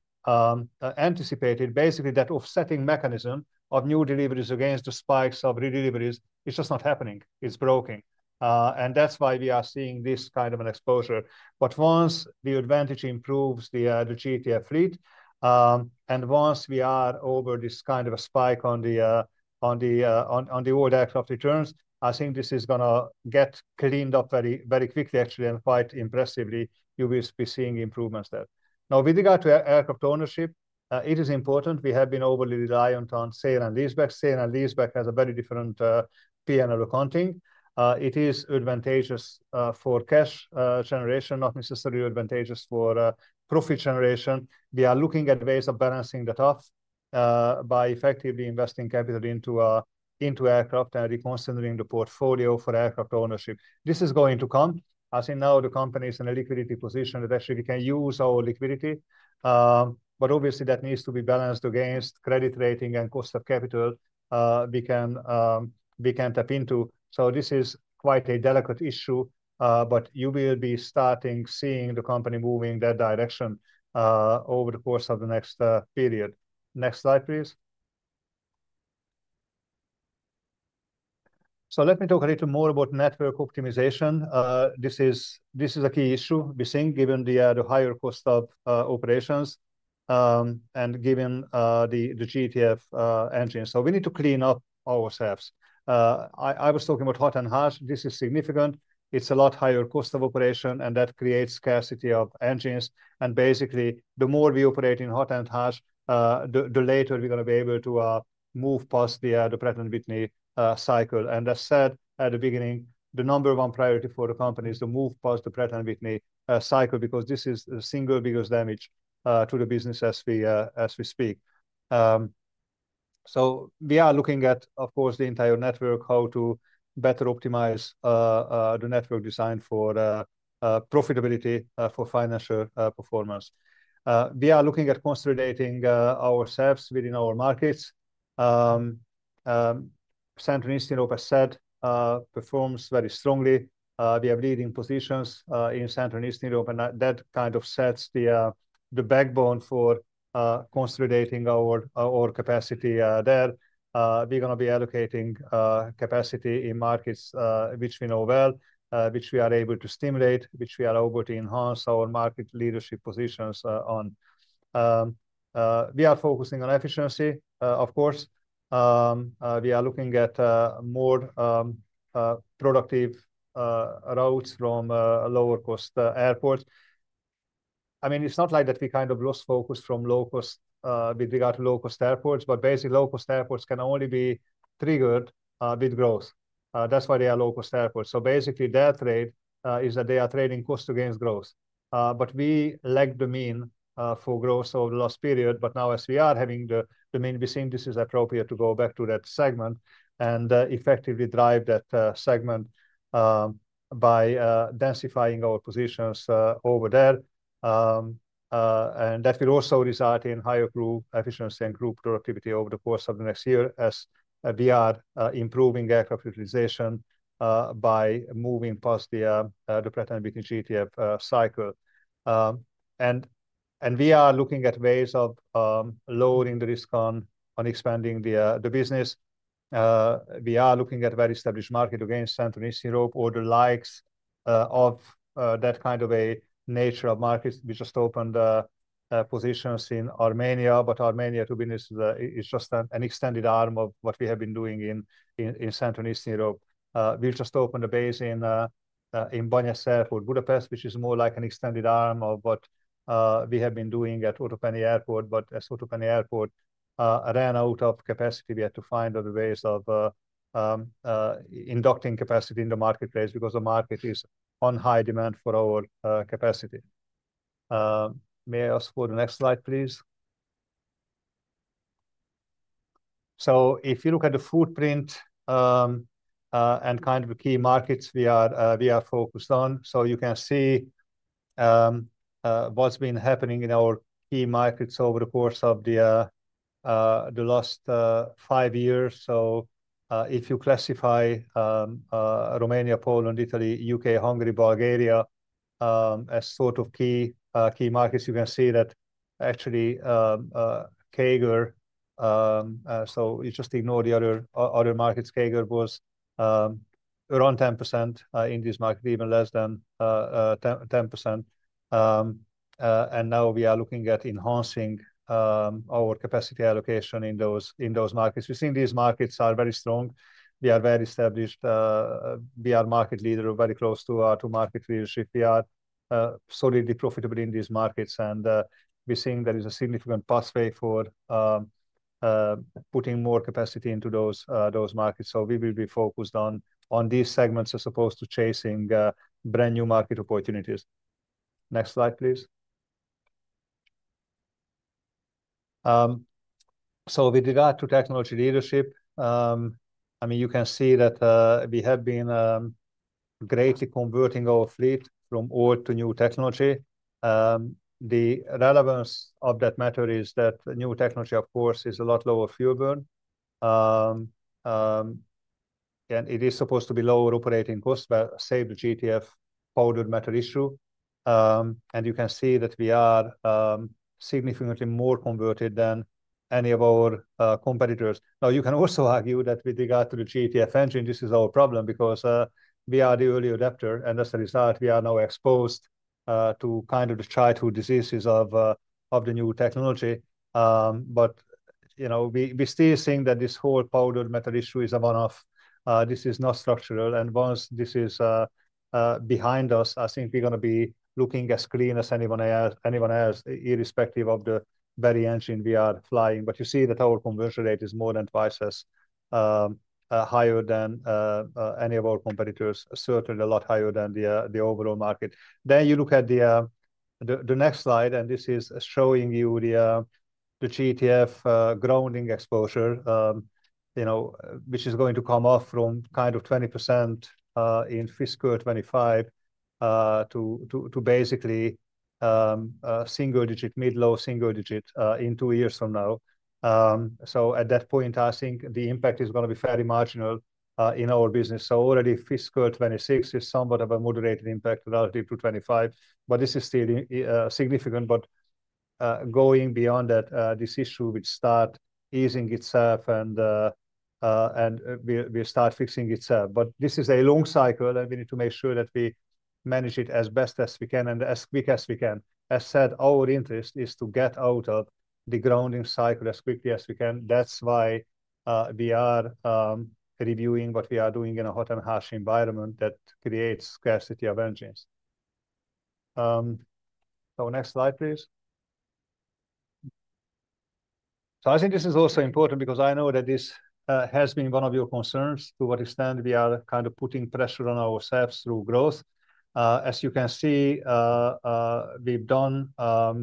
anticipated. Basically, that offsetting mechanism of new deliveries against the spikes of redeliveries is just not happening. It's broken. That is why we are seeing this kind of an exposure. Once the advantage improves the GTF fleet, and once we are over this kind of a spike on the old aircraft returns, I think this is gonna get cleaned up very, very quickly actually, and quite impressively you will be seeing improvements there. Now, with regard to aircraft ownership, it is important. We have been overly reliant on sale-and-leaseback. Sale-and-leaseback has a very different P&L accounting. It is advantageous for cash generation, not necessarily advantageous for profit generation. We are looking at ways of balancing that off, by effectively investing capital into, into aircraft and reconsidering the portfolio for aircraft ownership. This is going to come. I think now the company is in a liquidity position that actually we can use our liquidity, but obviously that needs to be balanced against credit rating and cost of capital we can, we can tap into. This is quite a delicate issue, but you will be starting seeing the company moving that direction, over the course of the next period. Next slide, please. Let me talk a little more about network optimization. This is a key issue we're seeing given the higher cost of operations, and given the GTF engine. We need to clean up ourselves. I was talking about hot and harsh. This is significant. It's a lot higher cost of operation and that creates scarcity of engines. Basically, the more we operate in hot and harsh, the later we're gonna be able to move past the Pratt & Whitney cycle. As said at the beginning, the number one priority for the company is to move past the Pratt & Whitney cycle because this is the single biggest damage to the business as we speak. We are looking at, of course, the entire network, how to better optimize the network design for profitability, for financial performance. We are looking at consolidating ourselves within our markets. Central and East Europe has said, performs very strongly. We have leading positions in Central East Europe, and that kind of sets the backbone for consolidating our capacity there. We're gonna be allocating capacity in markets which we know well, which we are able to stimulate, which we are able to enhance our market leadership positions on. We are focusing on efficiency, of course. We are looking at more productive routes from lower cost airports. I mean, it's not like that we kind of lost focus from low cost, with regard to low cost airports, but basically low cost airports can only be triggered with growth. That's why they are low cost airports. So basically their trade is that they are trading cost against growth. We lagged the mean for growth over the last period. Now as we are having the main business, this is appropriate to go back to that segment and effectively drive that segment by densifying our positions over there. That will also result in higher crew efficiency and crew productivity over the course of the next year as we are improving aircraft utilization by moving past the Pratt & Whitney GTF cycle. We are looking at ways of lowering the risk on expanding the business. We are looking at very established markets against Central East Europe or the likes of that kind of a nature of markets. We just opened positions in Armenia, but Armenia to business is just an extended arm of what we have been doing in Central and East Europe. We've just opened a base in Banya Airport, Budapest, which is more like an extended arm of what we have been doing at Otopeni Airport. As Otopeni Airport ran out of capacity, we had to find other ways of inducting capacity in the marketplace because the market is in high demand for our capacity. May I ask for the next slide, please? If you look at the footprint and kind of key markets we are focused on, you can see what's been happening in our key markets over the course of the last five years. If you classify Romania, Poland, Italy, U.K., Hungary, Bulgaria as sort of key markets, you can see that actually, CAGR, so you just ignore the other markets. CAGR was around 10% in this market, even less than 10%. Now we are looking at enhancing our capacity allocation in those markets. We've seen these markets are very strong. We are very established. We are market leader or very close to market leadership. We are solidly profitable in these markets, and we're seeing there is a significant pathway for putting more capacity into those markets. We will be focused on these segments as opposed to chasing brand new market opportunities. Next slide, please. With regard to technology leadership, I mean, you can see that we have been greatly converting our fleet from old to new technology. The relevance of that matter is that new technology, of course, is a lot lower fuel burn, and it is supposed to be lower operating cost, but save the GTF powder metal issue. You can see that we are significantly more converted than any of our competitors. You can also argue that with regard to the GTF engine, this is our problem because we are the early adapter. As a result, we are now exposed to kind of the childhood diseases of the new technology. But you know, we still think that this whole powder metal issue is a one-off. This is not structural. Once this is behind us, I think we're gonna be looking as clean as anyone else, irrespective of the very engine we are flying. You see that our conversion rate is more than twice as high as any of our competitors, certainly a lot higher than the overall market. You look at the next slide, and this is showing you the GTF grounding exposure, which is going to come off from kind of 20% in fiscal 2025 to basically mid-low single digit in two years from now. At that point, I think the impact is gonna be fairly marginal in our business. Already, fiscal 2026 is somewhat of a moderated impact relative to 2025, but this is still significant. Going beyond that, this issue will start easing itself and we'll start fixing itself. This is a long cycle and we need to make sure that we manage it as best as we can and as quick as we can. As said, our interest is to get out of the grounding cycle as quickly as we can. That's why we are reviewing what we are doing in a hot and harsh environment that creates scarcity of engines. Next slide, please. I think this is also important because I know that this has been one of your concerns, to what extent we are kind of putting pressure on ourselves through growth. As you can see, we've done a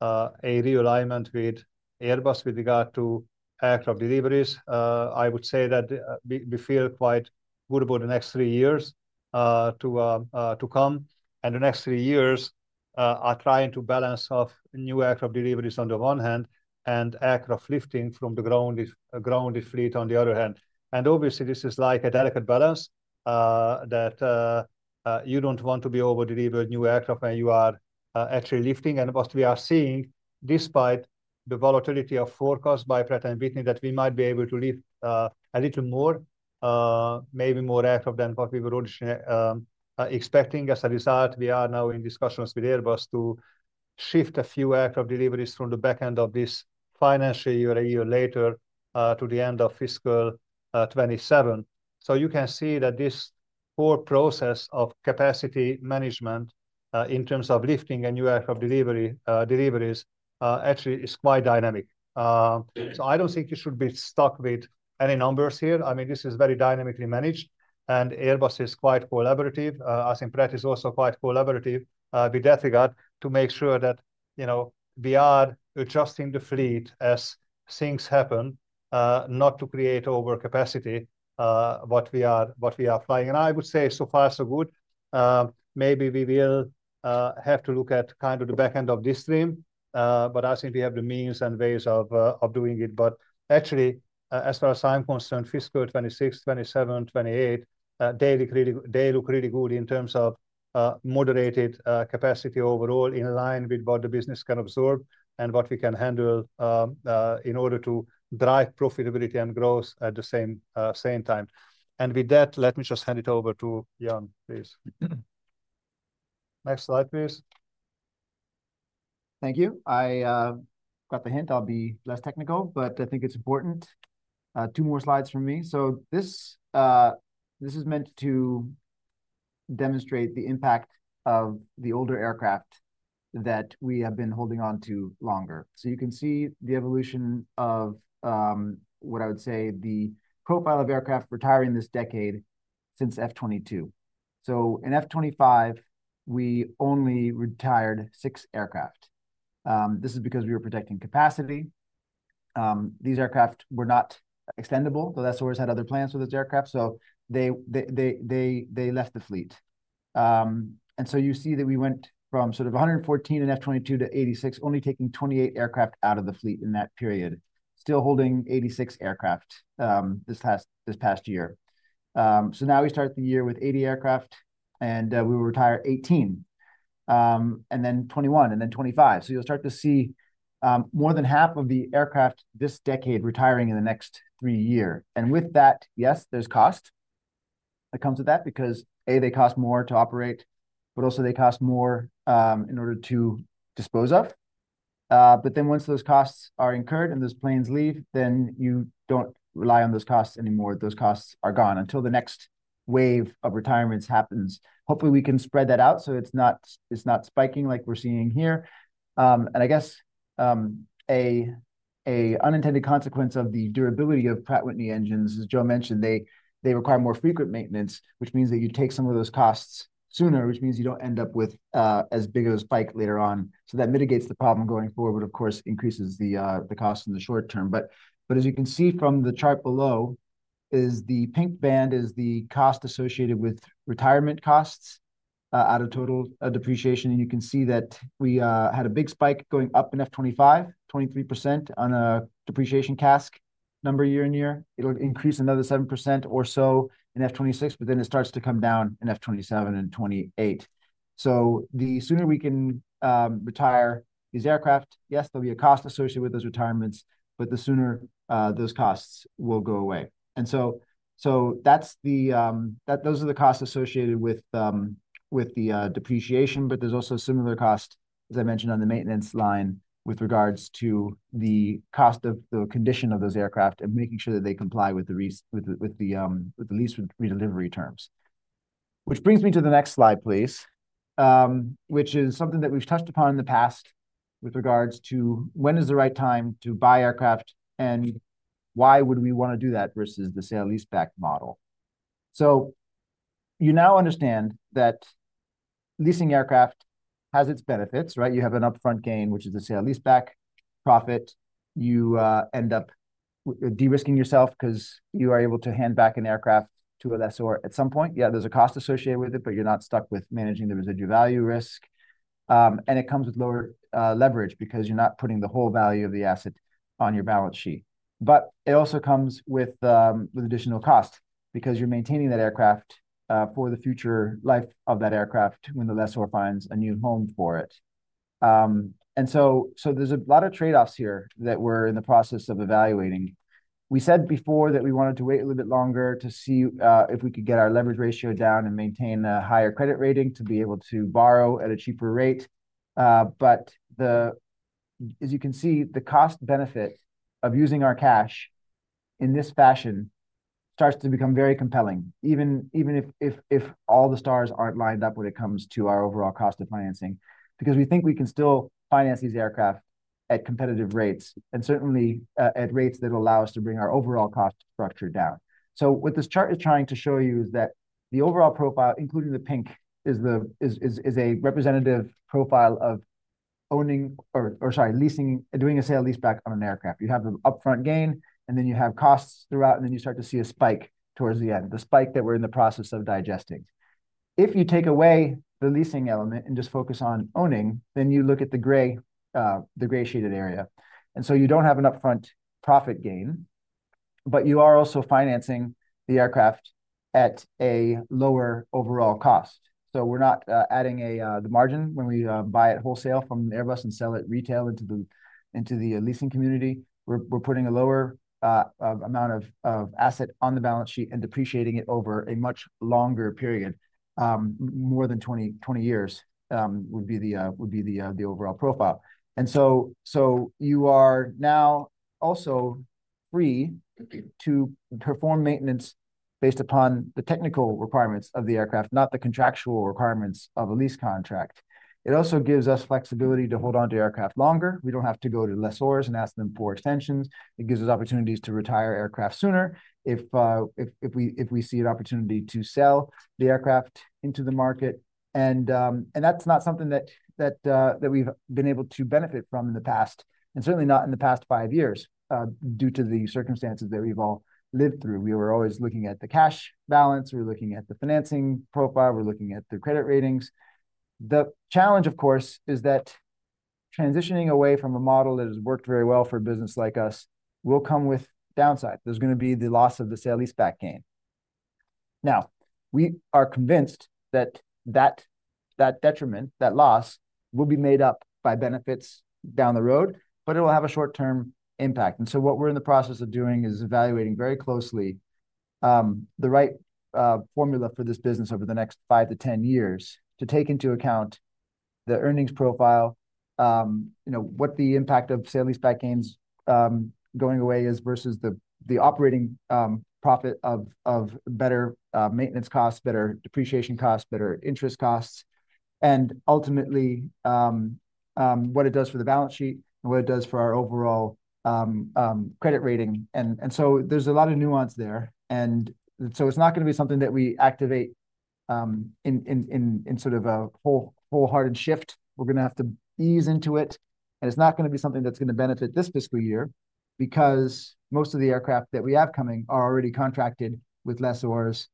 realignment with Airbus with regard to aircraft deliveries. I would say that we feel quite good about the next three years to come. The next three years are trying to balance off new aircraft deliveries on the one hand and aircraft lifting from the grounded fleet on the other hand. Obviously, this is like a delicate balance, that you do not want to be overdelivered new aircraft when you are actually lifting. What we are seeing, despite the volatility of forecast by Pratt & Whitney, is that we might be able to lift a little more, maybe more aircraft than what we were originally expecting. As a result, we are now in discussions with Airbus to shift a few aircraft deliveries from the back end of this financial year a year later, to the end of fiscal 2027. You can see that this whole process of capacity management, in terms of lifting and new aircraft deliveries, actually is quite dynamic. I do not think you should be stuck with any numbers here. I mean, this is very dynamically managed and Airbus is quite collaborative. I think Pratt is also quite collaborative, with that regard to make sure that, you know, we are adjusting the fleet as things happen, not to create overcapacity with what we are flying. I would say so far so good. Maybe we will have to look at kind of the back end of this stream, but I think we have the means and ways of doing it. Actually, as far as I'm concerned, fiscal 2026, 2027, 2028, daily really, they look really good in terms of moderated capacity overall in line with what the business can absorb and what we can handle, in order to drive profitability and growth at the same time. With that, let me just hand it over to Ian, please. Next slide, please. Thank you. I got the hint. I'll be less technical, but I think it's important. Two more slides from me. This is meant to demonstrate the impact of the older aircraft that we have been holding on to longer. You can see the evolution of what I would say is the profile of aircraft retiring this decade since fiscal 2022. In fiscal 2025, we only retired six aircraft. This is because we were protecting capacity. These aircraft were not extendable, though that's always had other plans for those aircraft. So they left the fleet. You see that we went from sort of 114 in F 2022 to 86, only taking 28 aircraft out of the fleet in that period, still holding 86 aircraft this past year. Now we start the year with 80 aircraft and we will retire 18, and then 21, and then 25. You'll start to see more than half of the aircraft this decade retiring in the next three years. With that, yes, there's cost that comes with that because, A, they cost more to operate, but also they cost more in order to dispose of. Once those costs are incurred and those planes leave, then you don't rely on those costs anymore. Those costs are gone until the next wave of retirements happens. Hopefully we can spread that out so it's not spiking like we're seeing here. I guess, an unintended consequence of the durability of Pratt & Whitney engines, as Joe mentioned, they require more frequent maintenance, which means that you take some of those costs sooner, which means you don't end up with as big of a spike later on. That mitigates the problem going forward, but of course increases the cost in the short term. As you can see from the chart below, the pink band is the cost associated with retirement costs, out of total depreciation. You can see that we had a big spike going up in F 2025, 23% on a depreciation CASK number year in year. It'll increase another 7% or so in F 2026, but then it starts to come down in F 2027 and 2028. The sooner we can retire these aircraft, yes, there'll be a cost associated with those retirements, but the sooner those costs will go away. Those are the costs associated with the depreciation. There's also a similar cost, as I mentioned, on the maintenance line with regards to the cost of the condition of those aircraft and making sure that they comply with the lease redelivery terms. Which brings me to the next slide, please, which is something that we've touched upon in the past with regards to when is the right time to buy aircraft and why would we want to do that versus the sale lease back model. You now understand that leasing aircraft has its benefits, right? You have an upfront gain, which is the sale leaseback profit. You end up de-risking yourself 'cause you are able to hand back an aircraft to a lessor at some point. Yeah, there's a cost associated with it, but you're not stuck with managing the residual value risk, and it comes with lower leverage because you're not putting the whole value of the asset on your balance sheet. It also comes with additional cost because you're maintaining that aircraft for the future life of that aircraft when the lessor finds a new home for it. There are a lot of trade-offs here that we're in the process of evaluating. We said before that we wanted to wait a little bit longer to see if we could get our leverage ratio down and maintain a higher credit rating to be able to borrow at a cheaper rate. As you can see, the cost benefit of using our cash in this fashion starts to become very compelling, even if all the stars aren't lined up when it comes to our overall cost of financing, because we think we can still finance these aircraft at competitive rates and certainly at rates that allow us to bring our overall cost structure down. What this chart is trying to show you is that the overall profile, including the pink, is a representative profile of owning or, or sorry, leasing, doing a sale lease back on an aircraft. You have the upfront gain and then you have costs throughout, and then you start to see a spike towards the end, the spike that we're in the process of digesting. If you take away the leasing element and just focus on owning, then you look at the gray, the gray shaded area. You do not have an upfront profit gain, but you are also financing the aircraft at a lower overall cost. We are not adding the margin when we buy it wholesale from Airbus and sell it retail into the leasing community. We are putting a lower amount of asset on the balance sheet and depreciating it over a much longer period, more than 20 years, would be the overall profile. You are now also free to perform maintenance based upon the technical requirements of the aircraft, not the contractual requirements of a lease contract. It also gives us flexibility to hold onto aircraft longer. We do not have to go to lessors and ask them for extensions. It gives us opportunities to retire aircraft sooner if we see an opportunity to sell the aircraft into the market. That is not something that we have been able to benefit from in the past and certainly not in the past five years, due to the circumstances that we have all lived through. We were always looking at the cash balance. We are looking at the financing profile. We are looking at the credit ratings. The challenge, of course, is that transitioning away from a model that has worked very well for a business like us will come with downside. There's gonna be the loss of the sale-and-leaseback gain. Now we are convinced that that detriment, that loss will be made up by benefits down the road, but it'll have a short-term impact. What we are in the process of doing is evaluating very closely the right formula for this business over the next five to 10 years to take into account the earnings profile, you know, what the impact of sale-and-leaseback gains going away is versus the operating profit of better maintenance costs, better depreciation costs, better interest costs, and ultimately, what it does for the balance sheet and what it does for our overall credit rating. There's a lot of nuance there. It's not gonna be something that we activate in sort of a wholehearted shift. We're gonna have to ease into it. It's not gonna be something that's gonna benefit this fiscal year because most of the aircraft that we have coming are already contracted with lessors,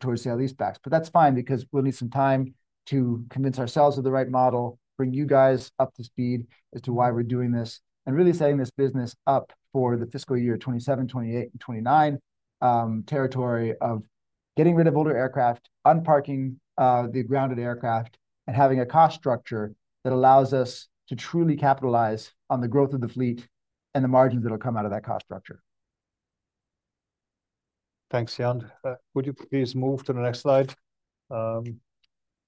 towards sale lease backs. That's fine because we'll need some time to convince ourselves of the right model, bring you guys up to speed as to why we're doing this and really setting this business up for the fiscal year 2027, 2028, and 2029, territory of getting rid of older aircraft, unparking the grounded aircraft and having a cost structure that allows us to truly capitalize on the growth of the fleet and the margins that'll come out of that cost structure. Thanks, Ian. Would you please move to the next slide?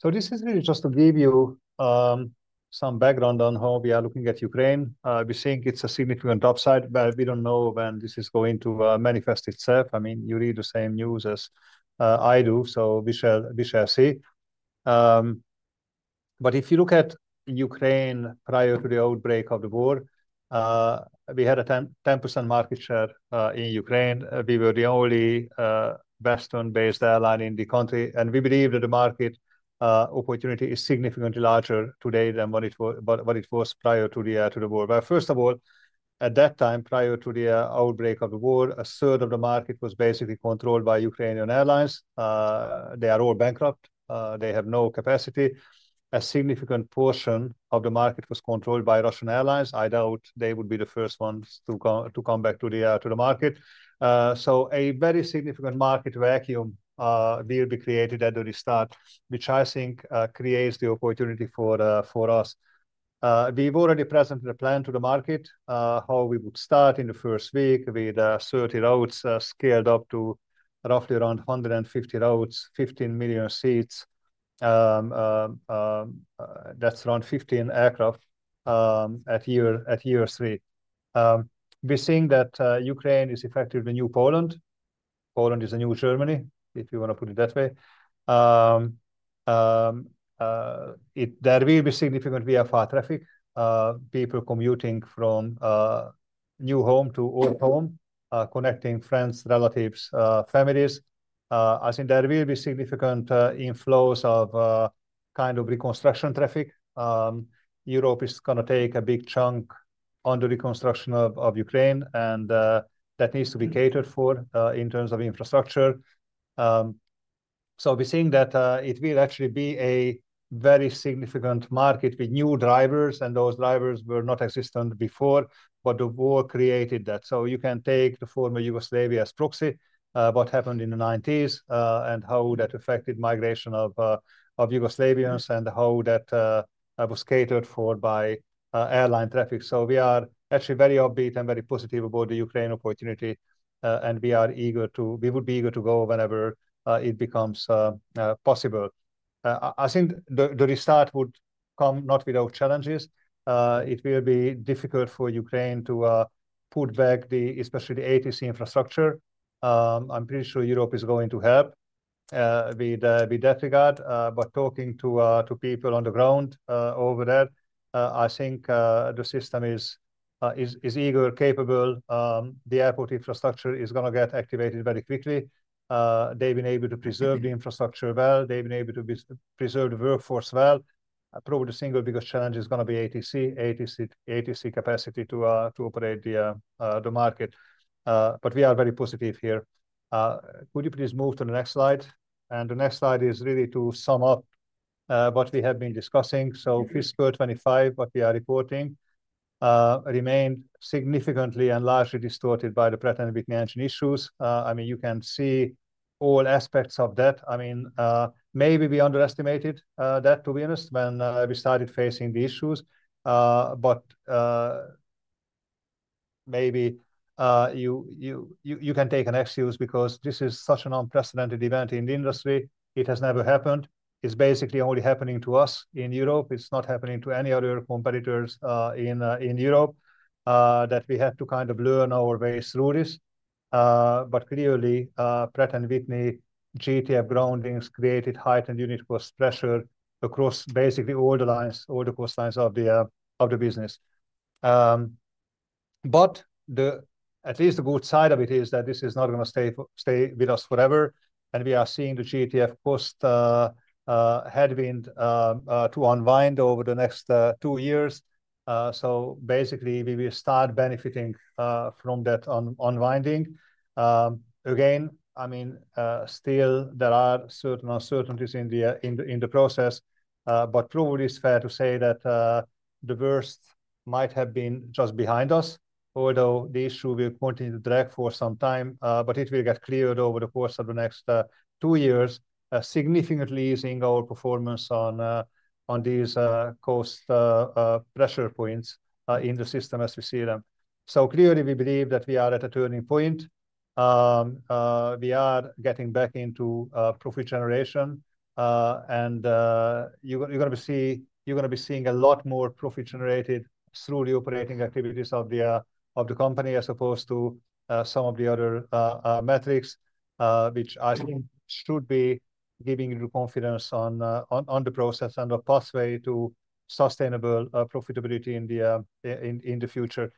This is really just to give you some background on how we are looking at Ukraine. We think it's a significant upside, but we don't know when this is going to manifest itself. I mean, you read the same news as I do, so we shall see. If you look at Ukraine prior to the outbreak of the war, we had a 10% market share in Ukraine. We were the only Western-based airline in the country, and we believe that the market opportunity is significantly larger today than what it was prior to the war. First of all, at that time, prior to the outbreak of the war, 1/3 of the market was basically controlled by Ukrainian airlines. They are all bankrupt. They have no capacity. A significant portion of the market was controlled by Russian airlines. I doubt they would be the first ones to come back to the market. A very significant market vacuum will be created at the restart, which I think creates the opportunity for us. We've already presented a plan to the market, how we would start in the first week with 30 routes, scaled up to roughly around 150 routes, 15 million seats. That's around 15 aircraft at year three. We're seeing that Ukraine is effectively the new Poland. Poland is the new Germany, if you want to put it that way. There will be significant VFR traffic, people commuting from new home to old home, connecting friends, relatives, families. As in, there will be significant inflows of kind of reconstruction traffic. Europe is gonna take a big chunk on the reconstruction of Ukraine, and that needs to be catered for, in terms of infrastructure. We are seeing that it will actually be a very significant market with new drivers, and those drivers were not existent before, but the war created that. You can take the former Yugoslavia as a proxy, what happened in the nineties, and how that affected migration of Yugoslavians and how that was catered for by airline traffic. We are actually very upbeat and very positive about the Ukraine opportunity, and we are eager to, we would be eager to go whenever it becomes possible. I think the restart would come not without challenges. It will be difficult for Ukraine to put back the, especially the ATC infrastructure. I am pretty sure Europe is going to help with that regard. Talking to people on the ground over there, I think the system is eager, capable. The airport infrastructure is going to get activated very quickly. They have been able to preserve the infrastructure well. They have been able to preserve the workforce well. Probably the single biggest challenge is going to be ATC, ATC, ATC capacity to operate the market. We are very positive here. Could you please move to the next slide? The next slide is really to sum up what we have been discussing. Fiscal 2025, what we are reporting, remained significantly and largely distorted by the Pratt & Whitney engine issues. I mean, you can see all aspects of that. Maybe we underestimated that, to be honest, when we started facing the issues. Maybe you can take an excuse because this is such an unprecedented event in the industry. It has never happened. It's basically only happening to us in Europe. It's not happening to any other competitors in Europe, that we have to kind of learn our way through this. Clearly, Pratt & Whitney GTF groundings created heightened unit cost pressure across basically all the cost lines of the business. At least the good side of it is that this is not gonna stay with us forever. We are seeing the GTF cost headwind to unwind over the next two years. Basically, we will start benefiting from that unwinding. Again, I mean, still there are certain uncertainties in the process. It is probably fair to say that the worst might have been just behind us, although the issue will continue to drag for some time. It will get cleared over the course of the next two years, significantly easing our performance on these cost pressure points in the system as we see them. We believe that we are at a turning point. We are getting back into profit generation, and you're gonna be seeing a lot more profit generated through the operating activities of the company as opposed to some of the other metrics, which I think should be giving you confidence on the process and the pathway to sustainable profitability in the future.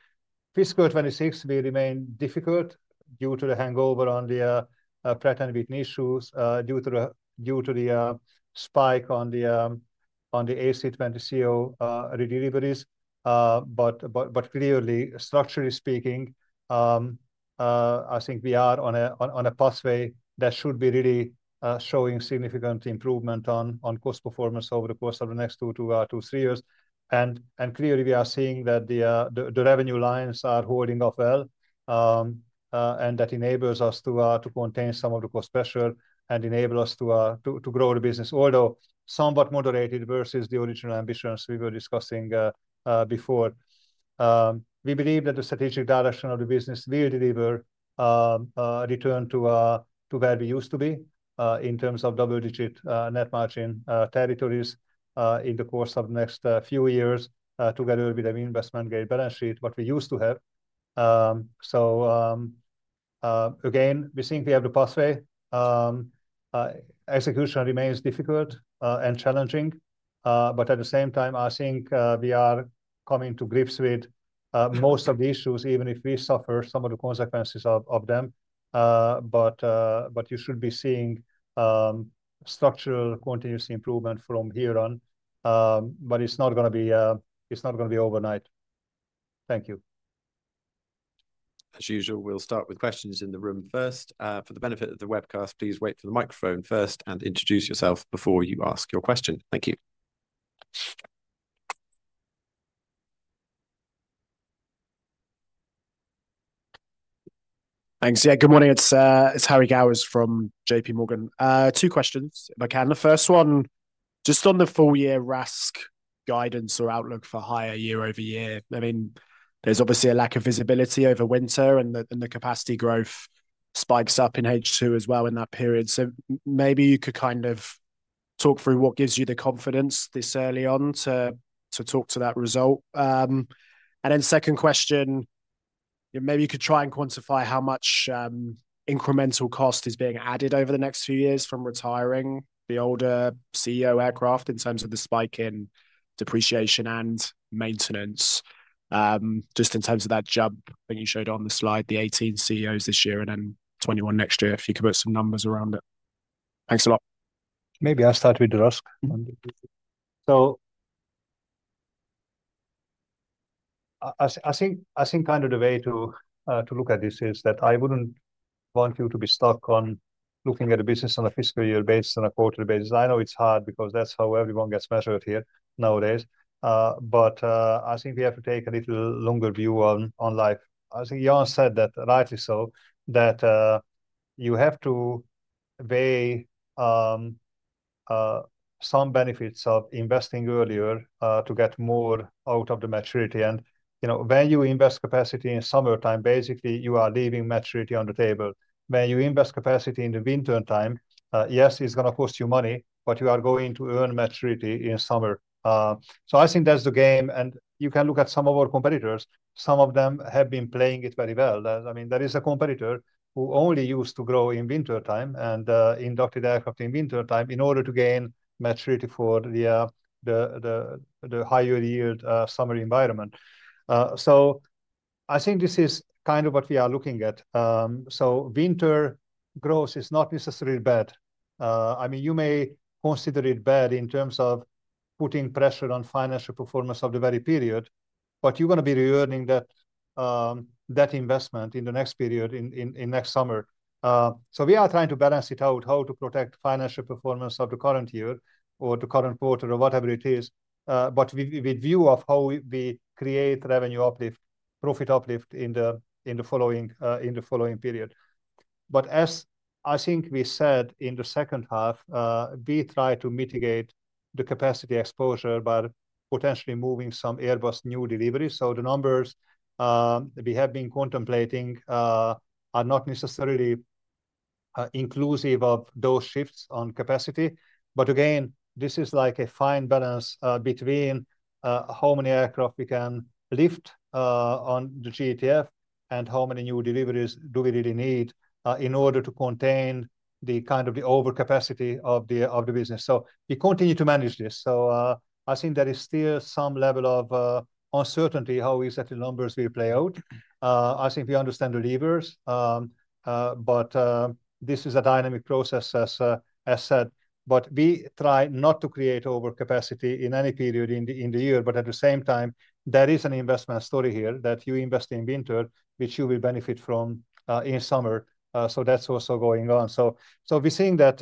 Fiscal 2026 will remain difficult due to the hangover on the Pratt & Whitney issues, due to the spike on the A320ceo redeliveries. Clearly, structurally speaking, I think we are on a pathway that should be really showing significant improvement on cost performance over the course of the next two to three years. Clearly we are seeing that the revenue lines are holding off well, and that enables us to contain some of the cost pressure and enable us to grow the business, although somewhat moderated versus the original ambitions we were discussing before. We believe that the strategic direction of the business will deliver, return to where we used to be, in terms of double-digit net margin territories, in the course of the next few years, together with an investment grade balance sheet, what we used to have. Again, we think we have the pathway. Execution remains difficult and challenging. At the same time, I think we are coming to grips with most of the issues, even if we suffer some of the consequences of them. You should be seeing structural continuous improvement from here on. It's not gonna be overnight. Thank you. As usual, we'll start with questions in the room first. For the benefit of the webcast, please wait for the microphone first and introduce yourself before you ask your question. Thank you. Thanks. Yeah. Good morning. It's Harry Gowers from J.P. Morgan. Two questions if I can. The first one, just on the full year RASK guidance or outlook for higher year over year. I mean, there's obviously a lack of visibility over winter and the capacity growth spikes up in H2 as well in that period. Maybe you could kind of talk through what gives you the confidence this early on to talk to that result. And then second question, you know, maybe you could try and quantify how much incremental cost is being added over the next few years from retiring the older CEO aircraft in terms of the spike in depreciation and maintenance. Just in terms of that jump, I think you showed on the slide, the 18 CEOs this year and then 21 next year, if you could put some numbers around it. Thanks a lot. Maybe I'll start with the RASK. I think kind of the way to look at this is that I wouldn't want you to be stuck on looking at a business on a fiscal year based on a quarterly basis. I know it's hard because that's how everyone gets measured here nowadays. I think we have to take a little longer view on life. I think Ian said that rightly so, that you have to weigh some benefits of investing earlier to get more out of the maturity. You know, when you invest capacity in summertime, basically you are leaving maturity on the table. When you invest capacity in the wintertime, yes, it's gonna cost you money, but you are going to earn maturity in summer. I think that's the game. You can look at some of our competitors. Some of them have been playing it very well. I mean, there is a competitor who only used to grow in wintertime and inducted aircraft in wintertime in order to gain maturity for the higher yield, summer environment. I think this is kind of what we are looking at. Winter growth is not necessarily bad. I mean, you may consider it bad in terms of putting pressure on financial performance of the very period, but you're gonna be re-earning that investment in the next period, in next summer. We are trying to balance it out, how to protect financial performance of the current year or the current quarter or whatever it is, but with view of how we create revenue uplift, profit uplift in the following period. As I think we said in the second half, we try to mitigate the capacity exposure by potentially moving some Airbus new deliveries. The numbers we have been contemplating are not necessarily inclusive of those shifts on capacity. This is like a fine balance between how many aircraft we can lift on the GTF and how many new deliveries we really need in order to contain the kind of the overcapacity of the business. We continue to manage this. I think there is still some level of uncertainty how exactly the numbers will play out. I think we understand the levers, but this is a dynamic process as said. We try not to create overcapacity in any period in the year. At the same time, there is an investment story here that you invest in winter, which you will benefit from in summer. That is also going on. We are seeing that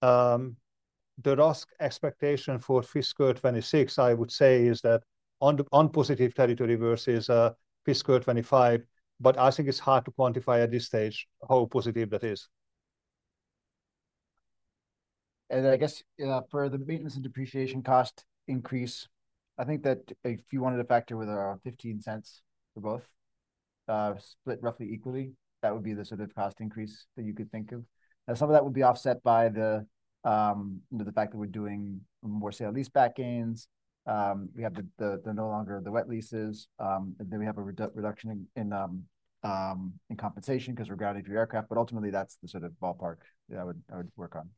the RASK expectation for fiscal 2026, I would say, is that it is in positive territory versus fiscal 2025. I think it is hard to quantify at this stage how positive that is. I guess, for the maintenance and depreciation cost increase, if you wanted a factor, with our 0.15 for both, split roughly equally, that would be the sort of cost increase that you could think of. Some of that would be offset by the fact that we are doing more sale-and-leaseback gains. We have no longer the wet leases. and then we have a reduction in compensation 'cause we're grounded through aircraft. Ultimately, that's the sort of ballpark that I would work on.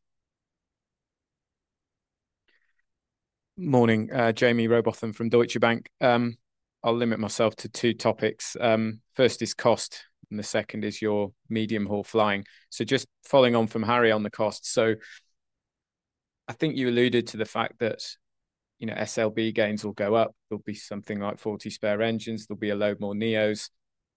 Morning, Jaime Rowbotham from Deutsche Bank. I'll limit myself to two topics. First is cost and the second is your medium haul flying. Just following on from Harry on the cost. I think you alluded to the fact that, you know, SLB gains will go up. There'll be something like 40 spare engines. There'll be a load more NEOs.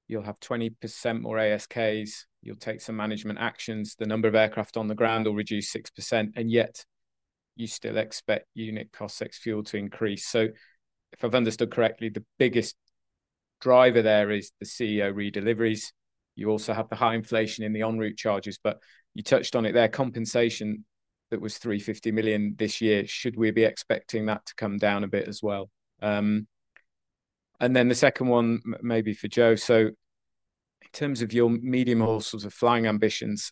You'll have 20% more ASKs. You'll take some management actions. The number of aircraft on the ground will reduce 6%. Yet you still expect unit costs ex fuel to increase. If I've understood correctly, the biggest driver there is the CEO redeliveries. You also have the high inflation in the en route charges, but you touched on it there. Compensation that was 350 million this year. Should we be expecting that to come down a bit as well? The second one maybe for Joe. In terms of your medium haul sort of flying ambitions,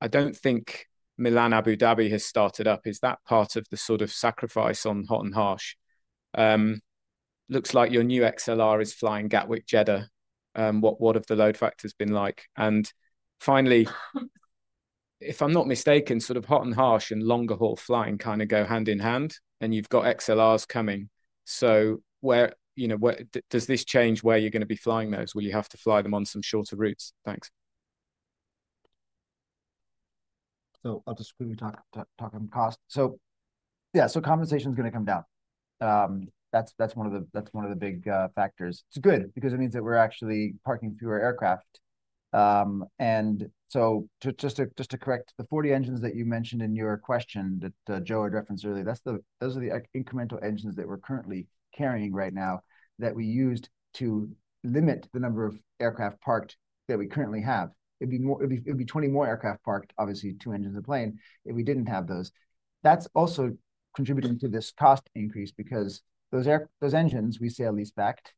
I do not think Milan Abu Dhabi has started up. Is that part of the sort of sacrifice on hot and harsh? Looks like your new XLR is flying Gatwick-Jeddah. What have the load factors been like? Finally, if I am not mistaken, sort of hot and harsh and longer haul flying kind of go hand in hand and you have got XLRs coming. Where does this change where you are going to be flying those? Will you have to fly them on some shorter routes? Thanks. I'll just quickly talk, talking past. Yeah, compensation's gonna come down. That's one of the big factors. It's good because it means that we're actually parking fewer aircraft. Just to correct the 40 engines that you mentioned in your question that Joe had referenced earlier, those are the incremental engines that we're currently carrying right now that we use to limit the number of aircraft parked that we currently have. It'd be 20 more aircraft parked, obviously two engines a plane, if we didn't have those. That's also contributing to this cost increase because those engines we sale lease backed.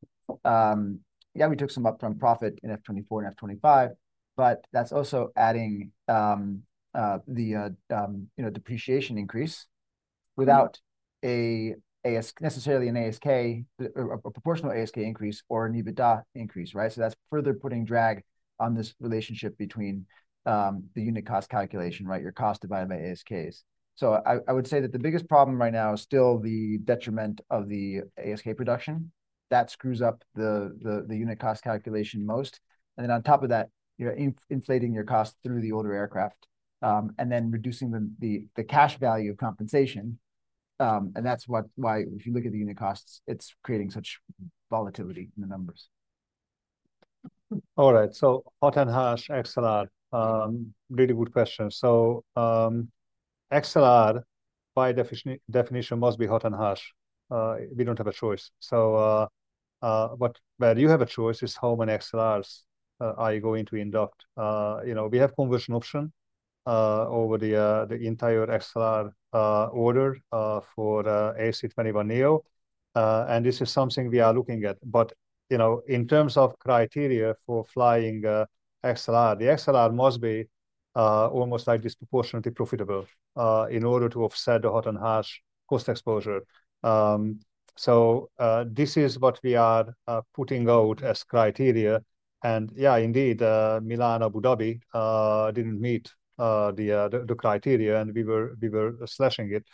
Yeah, we took some upfront profit in F 2024 and F 2025, but that's also adding, you know, depreciation increase without a necessarily an ASK or a proportional ASK increase or an EBITDA increase. Right? That's further putting drag on this relationship between the unit cost calculation, right? Your cost divided by ASKs. I would say that the biggest problem right now is still the detriment of the ASK production. That screws up the unit cost calculation most. On top of that, you're inflating your cost through the older aircraft, and then reducing the cash value of compensation. That's why if you look at the unit costs, it's creating such volatility in the numbers. All right. Hot and harsh XLR. Really good question. XLR by definition, definition must be hot and harsh. We don't have a choice. Where you have a choice is how many XLRs you are going to induct. You know, we have a conversion option over the entire XLR order for A321neo, and this is something we are looking at. You know, in terms of criteria for flying XLR, the XLR must be almost like disproportionately profitable in order to offset the hot and harsh cost exposure. This is what we are putting out as criteria. Yeah, indeed, Milan Abu Dhabi didn't meet the criteria and we were slashing it.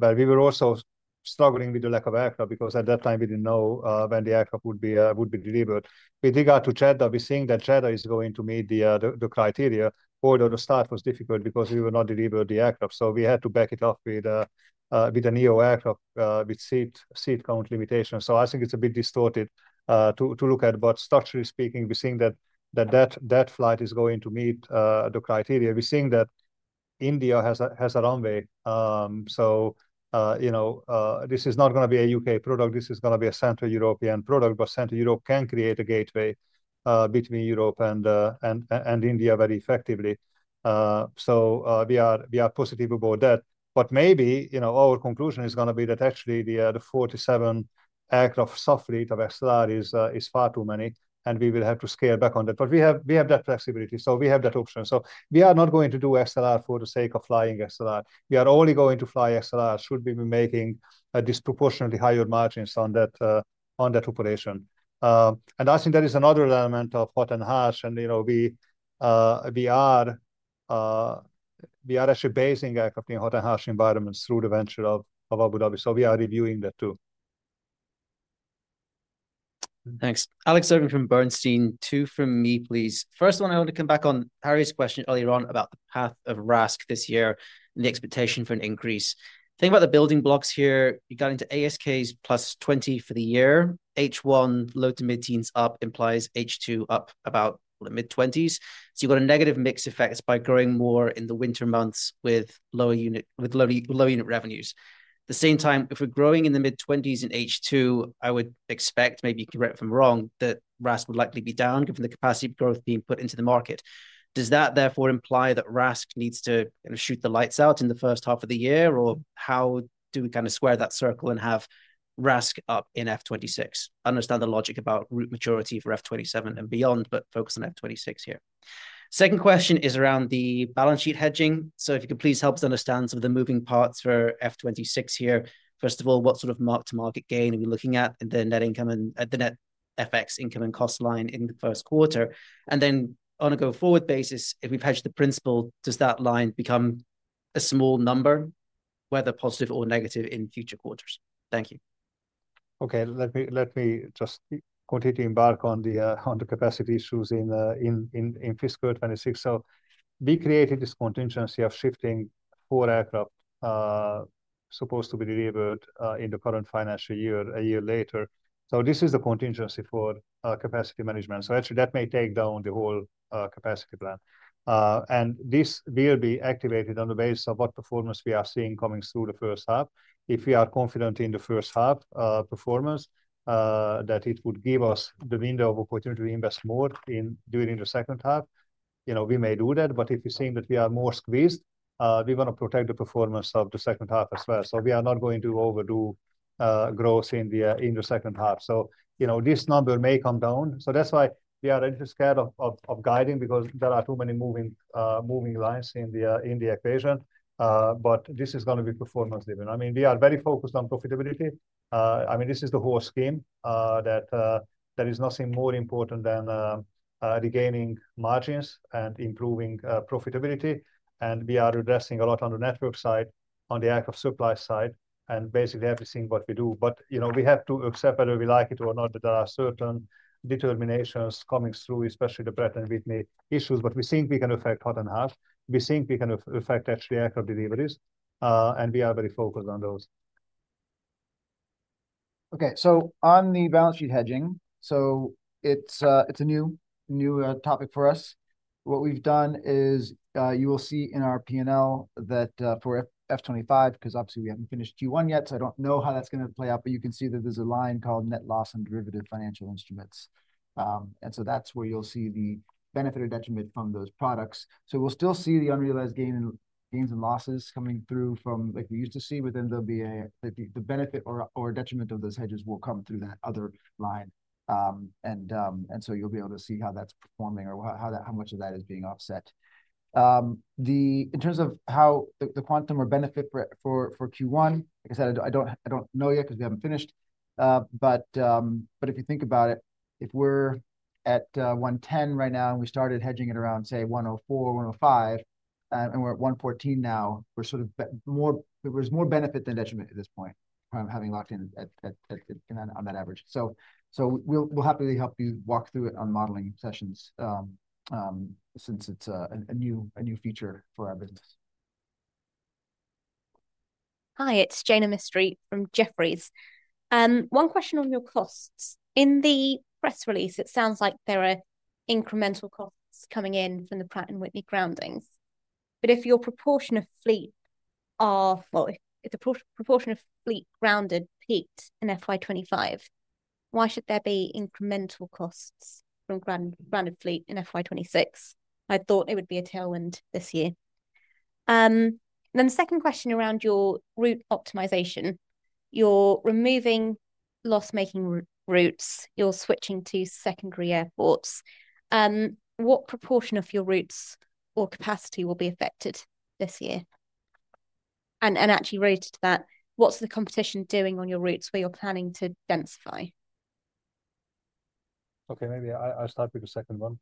We were also struggling with the lack of aircraft because at that time we didn't know when the aircraft would be delivered. We did go to Jeddah. We're seeing that Jeddah is going to meet the criteria. Although the start was difficult because we were not delivered the aircraft. We had to back it off with a NEO aircraft, with seat count limitation. I think it's a bit distorted to look at. Structurally speaking, we're seeing that flight is going to meet the criteria. We're seeing that India has a runway. You know, this is not gonna be a U.K. product. This is gonna be a Central European product. Central Europe can create a gateway between Europe and India very effectively. We are positive about that. Maybe our conclusion is gonna be that actually the 47 aircraft soft fleet of XLR is far too many and we will have to scale back on that. We have that flexibility. We have that option. We are not going to do XLR for the sake of flying XLR. We are only going to fly XLR should we be making disproportionately higher margins on that, on that operation. I think that is another element of hot and harsh. You know, we are actually basing aircraft in hot and harsh environments through the venture of Abu Dhabi. We are reviewing that too. Thanks. Alex Oven from Bernstein. Two from me, please. First one, I want to come back on Harry's question earlier on about the path of RASK this year and the expectation for an increase. Think about the building blocks here. You got into ASKs plus 20% for the year. H1 low to mid teens up implies H2 up about the mid twenties. You've got a negative mix effect by growing more in the winter months with lower unit revenues. At the same time, if we're growing in the mid-20s in H2, I would expect, maybe you can correct if I'm wrong, that RASK would likely be down given the capacity growth being put into the market. Does that therefore imply that RASK needs to kind of shoot the lights out in the first half of the year? How do we kind of square that circle and have RASK up in F 2026? I understand the logic about route maturity for F 2027 and beyond, but focus on F 2026 here. Second question is around the balance sheet hedging. If you could please help us understand some of the moving parts for F 2026 here. First of all, what sort of mark to market gain are we looking at in the net income and the net FX income and cost line in the first quarter? Then on a go forward basis, if we've hedged the principal, does that line become a small number, whether positive or negative in future quarters? Thank you. Okay. Let me just continue to embark on the capacity issues in fiscal 2026. We created this contingency of shifting four aircraft, supposed to be delivered in the current financial year, a year later. This is the contingency for capacity management. Actually, that may take down the whole capacity plan, and this will be activated on the basis of what performance we are seeing coming through the first half. If we are confident in the first half, performance, that it would give us the window of opportunity to invest more in during the second half, you know, we may do that. If you're seeing that we are more squeezed, we wanna protect the performance of the second half as well. We are not going to overdo growth in the second half. You know, this number may come down. That is why we are a little scared of guiding because there are too many moving lines in the equation. This is gonna be performance driven. I mean, we are very focused on profitability. I mean, this is the whole scheme, that is nothing more important than regaining margins and improving profitability. We are addressing a lot on the network side, on the active supply side, and basically everything what we do. You know, we have to accept whether we like it or not that there are certain determinations coming through, especially the Pratt & Whitney issues. We think we can affect hot and harsh. We think we can affect actually aircraft deliveries. We are very focused on those. On the balance sheet hedging, it's a new, new topic for us. What we've done is, you will see in our P&L that, for F 2025, 'cause obviously we haven't finished Q1 yet, so I don't know how that's gonna play out, but you can see that there's a line called net loss and derivative financial instruments. That's where you'll see the benefit or detriment from those products. We'll still see the unrealized gain and gains and losses coming through from, like we used to see, but then there will be the benefit or detriment of those hedges coming through that other line, and so you'll be able to see how that's performing or how much of that is being offset. In terms of how the quantum or benefit for Q1, like I said, I don't know yet because we haven't finished. If you think about it, if we're at 110 right now and we started hedging it around, say, 104, 105, and we're at 114 now, there's more benefit than detriment at this point from having locked in at that average. We'll happily help you walk through it on modeling sessions, since it's a new feature for our business. Hi, it's Jaina Mistry from Jefferies. One question on your costs. In the press release, it sounds like there are incremental costs coming in from the Pratt & Whitney groundings. If your proportion of fleet, or if the proportion of fleet grounded peaked in FY 2025, why should there be incremental costs from grounded fleet in FY 2026? I thought it would be a tailwind this year. The second question around your route optimization, you are removing loss-making routes, you are switching to secondary airports. What proportion of your routes or capacity will be affected this year? Actually, related to that, what's the competition doing on your routes where you are planning to densify? Okay. Maybe I, I'll start with the second one.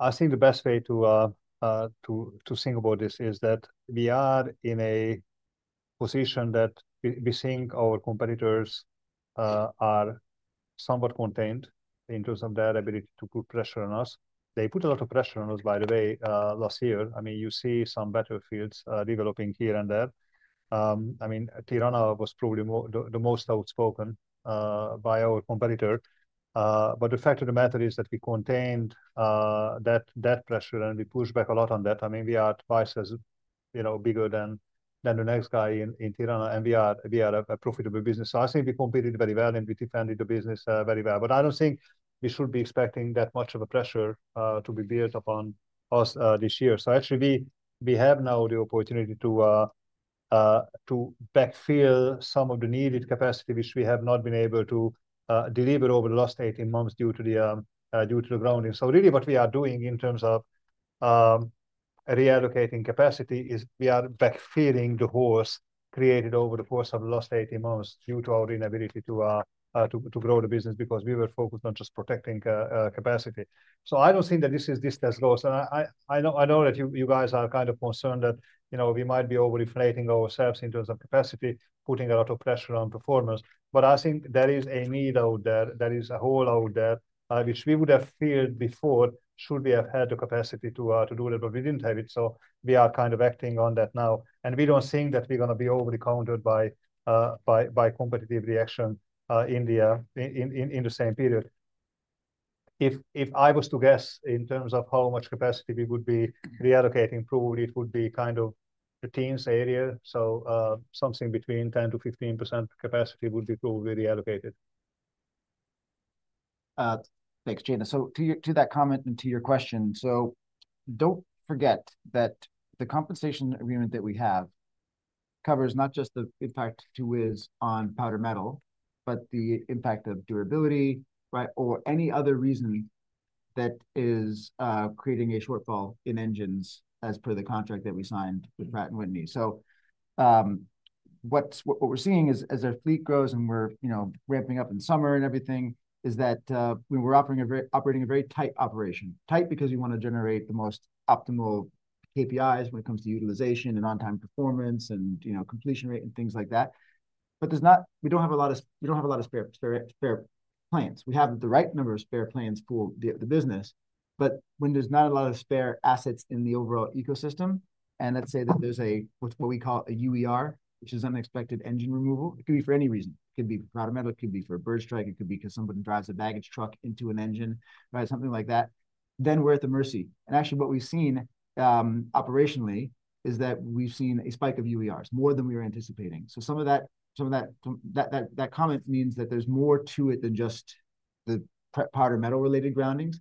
I think the best way to think about this is that we are in a position that we think our competitors are somewhat contained in terms of their ability to put pressure on us. They put a lot of pressure on us, by the way, last year. I mean, you see some battlefields developing here and there. I mean, Tirana was probably more the most outspoken by our competitor. The fact of the matter is that we contained that pressure and we pushed back a lot on that. I mean, we are twice as, you know, bigger than the next guy in Tirana and we are a profitable business. I think we competed very well and we defended the business very well. I do not think we should be expecting that much of a pressure to be built upon us this year. Actually, we have now the opportunity to backfill some of the needed capacity, which we have not been able to deliver over the last 18 months due to the grounding. What we are doing in terms of reallocating capacity is we are backfilling the holes created over the course of the last 18 months due to our inability to grow the business because we were focused on just protecting capacity. I do not think that this is distressed loss. I know that you guys are kind of concerned that, you know, we might be overinflating ourselves in terms of capacity, putting a lot of pressure on performance. I think there is a need out there, there is a hole out there, which we would have feared before should we have had the capacity to do that, but we did not have it. We are kind of acting on that now. We do not think that we are gonna be overly countered by competitive reaction in the same period. If I was to guess in terms of how much capacity we would be reallocating, probably it would be kind of the teens area. Something between 10-15% capacity would be probably reallocated. Thanks, Jaina. To that comment and to your question, do not forget that the compensation agreement that we have covers not just the impact to Wizz on powder metal, but the impact of durability, right? Or any other reason that is creating a shortfall in engines as per the contract that we signed with Pratt & Whitney. What we're seeing is, as our fleet grows and we're, you know, ramping up in summer and everything, is that when we're operating a very tight operation, tight because we wanna generate the most optimal KPIs when it comes to utilization and on-time performance and, you know, completion rate and things like that. We don't have a lot of spare plans. We have the right number of spare plans for the business, but when there's not a lot of spare assets in the overall ecosystem, and let's say that there's a, what we call a UER, which is unexpected engine removal, it could be for any reason. It could be for powder metal, it could be for a bird strike, it could be 'cause somebody drives a baggage truck into an engine, right? Something like that. We're at the mercy. Actually, what we've seen operationally is that we've seen a spike of UERs more than we were anticipating. Some of that comment means that there's more to it than just the pre-powder metal related groundings.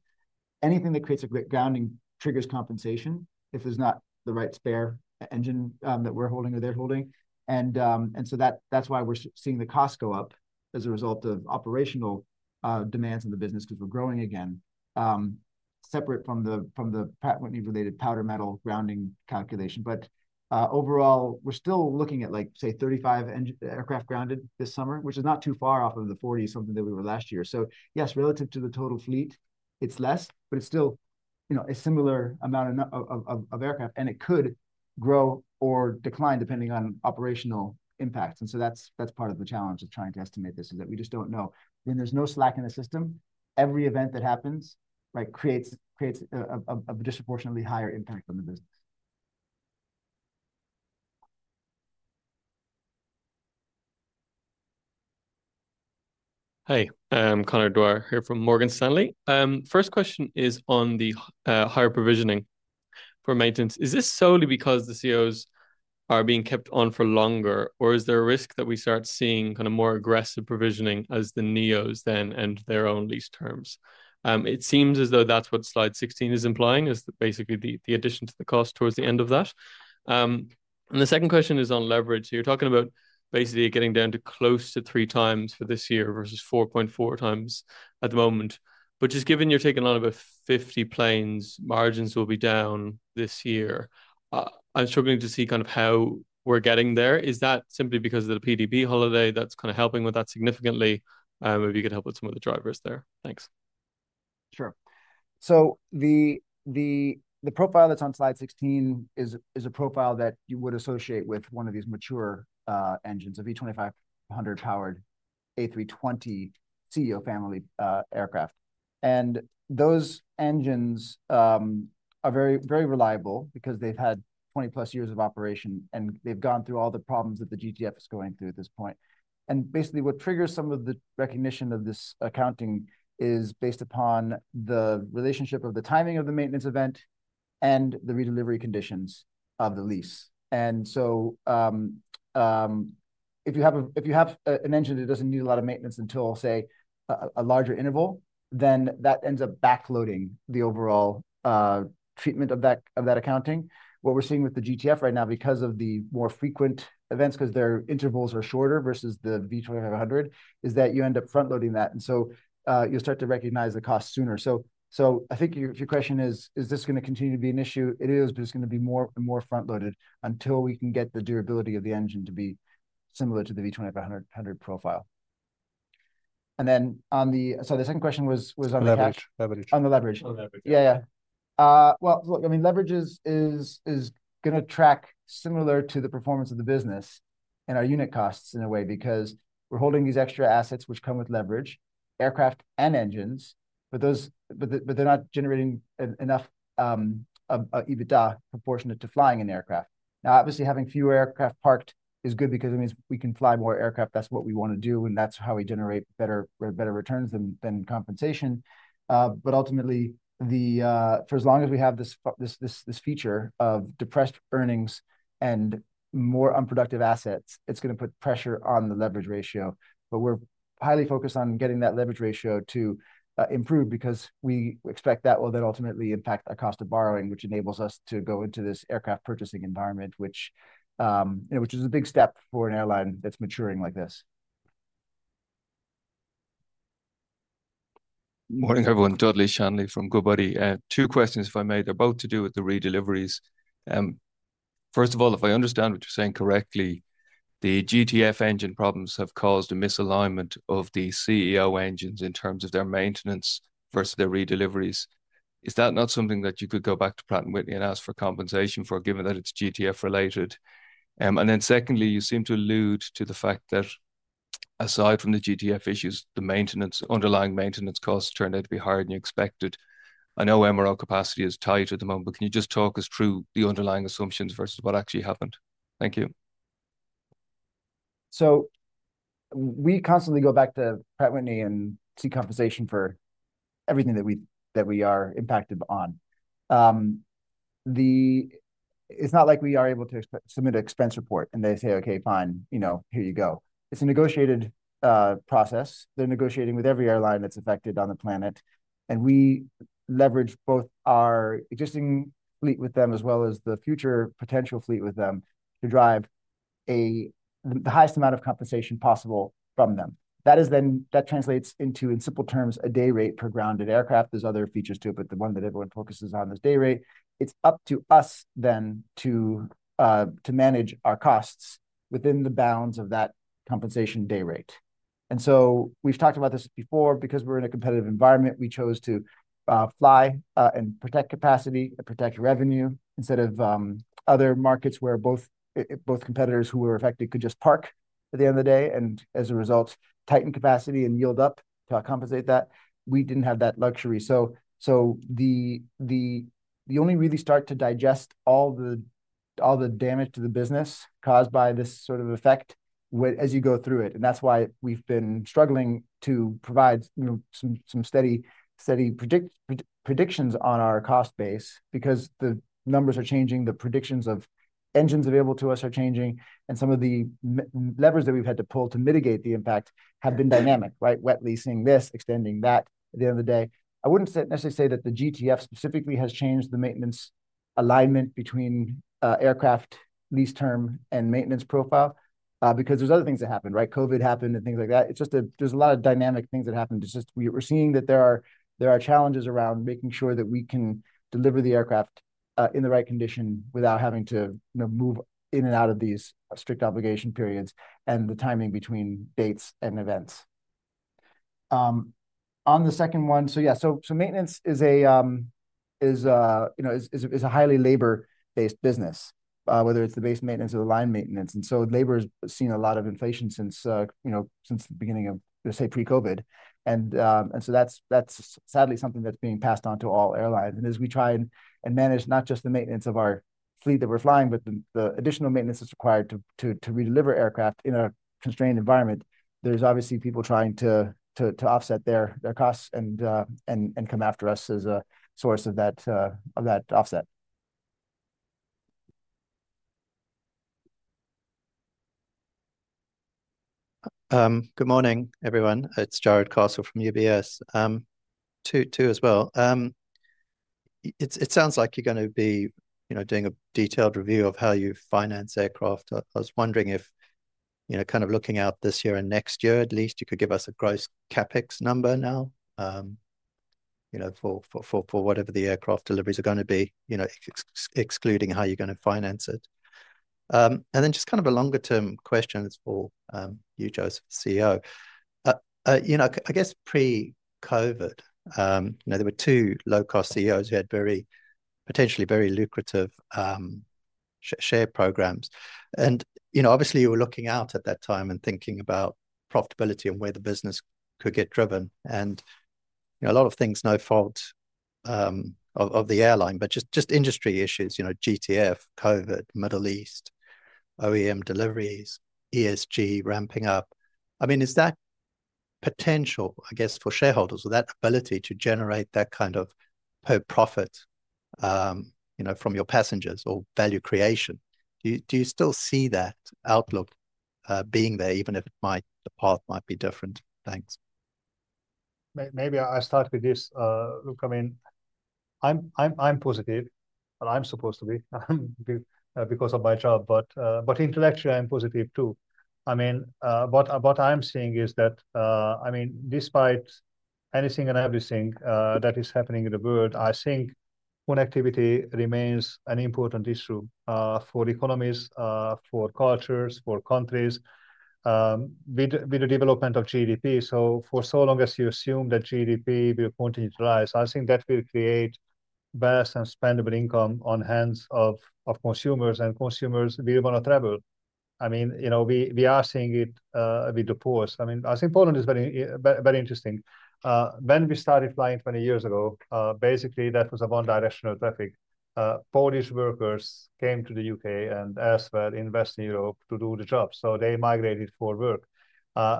Anything that creates a grounding triggers compensation if there's not the right spare engine that we're holding or they're holding. That's why we're seeing the cost go up as a result of operational demands in the business 'cause we're growing again, separate from the Pratt & Whitney related powder metal grounding calculation. Overall, we're still looking at, like, say, 35 engine aircraft grounded this summer, which is not too far off of the 40-something that we were last year. Yes, relative to the total fleet, it's less, but it's still, you know, a similar amount of aircraft and it could grow or decline depending on operational impacts. That's part of the challenge of trying to estimate this is that we just don't know. When there's no slack in the system, every event that happens creates a disproportionately higher impact on the business. Hey, Connor Duar here from Morgan Stanley. First question is on the higher provisioning for maintenance. Is this solely because the CEOs are being kept on for longer, or is there a risk that we start seeing kind of more aggressive provisioning as the NEOs then end their own lease terms? It seems as though that's what slide 16 is implying is basically the addition to the cost towards the end of that. The second question is on leverage. You are talking about basically getting down to close to three times for this year versus 4.4 times at the moment, but just given you are taking on about 50 planes, margins will be down this year. I'm struggling to see kind of how we are getting there. Is that simply because of the PDP holiday that's kind of helping with that significantly? If you could help with some of the drivers there. Thanks. Sure. The profile that's on slide 16 is a profile that you would associate with one of these mature engines, a V2500 powered A320ceo family aircraft. Those engines are very, very reliable because they've had 20 plus years of operation and they've gone through all the problems that the GTF is going through at this point. Basically, what triggers some of the recognition of this accounting is based upon the relationship of the timing of the maintenance event and the redelivery conditions of the lease. If you have an engine that doesn't need a lot of maintenance until, say, a larger interval, then that ends up backloading the overall treatment of that accounting. What we're seeing with the GTF right now, because of the more frequent events, 'cause their intervals are shorter versus the V2500, is that you end up front loading that. You start to recognize the cost sooner. I think if your question is, is this gonna continue to be an issue? It is, but it's gonna be more and more front loaded until we can get the durability of the engine to be similar to the V2500 profile. The second question was on the leverage. On the leverage. Yeah. Look, I mean, leverage is gonna track similar to the performance of the business and our unit costs in a way, because we're holding these extra assets which come with leverage, aircraft and engines, but they're not generating enough EBITDA proportionate to flying an aircraft. Now, obviously having fewer aircraft parked is good because it means we can fly more aircraft. That's what we wanna do. That's how we generate better returns than compensation. Ultimately, for as long as we have this feature of depressed earnings and more unproductive assets, it's gonna put pressure on the leverage ratio. We're highly focused on getting that leverage ratio to improve because we expect that will then ultimately impact our cost of borrowing, which enables us to go into this aircraft purchasing environment, which, you know, is a big step for an airline that's maturing like this. Morning everyone, Dudley Shanley from Goodbody. Two questions if I may, they're both to do with the redeliveries. First of all, if I understand what you're saying correctly, the GTF engine problems have caused a misalignment of the CEO engines in terms of their maintenance versus their redeliveries. Is that not something that you could go back to Pratt & Whitney and ask for compensation for, given that it's GTF related? And then secondly, you seem to allude to the fact that aside from the GTF issues, the underlying maintenance costs turned out to be higher than you expected. I know MRL capacity is tight at the moment, but can you just talk us through the underlying assumptions versus what actually happened? Thank you. We constantly go back to Pratt & Whitney and seek compensation for everything that we are impacted on. It's not like we are able to submit an expense report and they say, okay, fine, you know, here you go. It's a negotiated process. They're negotiating with every airline that's affected on the planet. We leverage both our existing fleet with them as well as the future potential fleet with them to drive the highest amount of compensation possible from them. That translates into, in simple terms, a day rate per grounded aircraft. There are other features to it, but the one that everyone focuses on is day rate. It's up to us then to manage our costs within the bounds of that compensation day rate. We've talked about this before because we're in a competitive environment. We chose to fly and protect capacity and protect revenue instead of other markets where both competitors who were affected could just park at the end of the day and as a result, tighten capacity and yield up to compensate that. We didn't have that luxury. The only time you really start to digest all the damage to the business caused by this sort of effect is when you go through it. That's why we've been struggling to provide, you know, some steady predictions on our cost base because the numbers are changing. The predictions of engines available to us are changing and some of the levers that we've had to pull to mitigate the impact have been dynamic, right? Wet leasing this, extending that at the end of the day. I wouldn't necessarily say that the GTF specifically has changed the maintenance alignment between aircraft lease term and maintenance profile, because there's other things that happened, right? COVID happened and things like that. It's just, there's a lot of dynamic things that happened. It's just, we are seeing that there are challenges around making sure that we can deliver the aircraft in the right condition without having to, you know, move in and out of these strict obligation periods and the timing between dates and events. On the second one, yeah, maintenance is a highly labor-based business, whether it's the base maintenance or the line maintenance. Labor has seen a lot of inflation since the beginning of, let's say, pre-COVID. That's sadly something that's being passed on to all airlines. As we try and manage not just the maintenance of our fleet that we're flying, but the additional maintenance that's required to redeliver aircraft in a constrained environment, there's obviously people trying to offset their costs and come after us as a source of that offset. Good morning everyone. It's Jared Carsell from UBS. Two as well. It sounds like you're gonna be, you know, doing a detailed review of how you finance aircraft. I was wondering if, you know, kind of looking out this year and next year, at least you could give us a gross CapEx number now, you know, for whatever the aircraft deliveries are gonna be, you know, excluding how you're gonna finance it. Then just kind of a longer term question for you, József, CEO. I guess pre-COVID, you know, there were two low cost CEOs who had very, potentially very lucrative share programs. You know, obviously you were looking out at that time and thinking about profitability and where the business could get driven. A lot of things, no fault of the airline, but just industry issues, you know, GTF, COVID, Middle East, OEM deliveries, ESG ramping up. I mean, is that potential, I guess, for shareholders or that ability to generate that kind of per profit, you know, from your passengers or value creation? Do you, do you still see that outlook, being there even if it might, the path might be different? Thanks. Maybe I start with this. Look, I mean, I'm positive, but I'm supposed to be, because of my job. But intellectually I'm positive too. I mean, what I'm seeing is that, I mean, despite anything and everything that is happening in the world, I think connectivity remains an important issue, for economies, for cultures, for countries, with the development of GDP. For so long as you assume that GDP will continue to rise, I think that will create vast and spendable income on hands of consumers and consumers will wanna travel. I mean, you know, we are seeing it with the Poles. I mean, I think Poland is very, very interesting. When we started flying 20 years ago, basically that was a one-directional traffic. Polish workers came to the U.K. and elsewhere in Western Europe to do the job. So they migrated for work.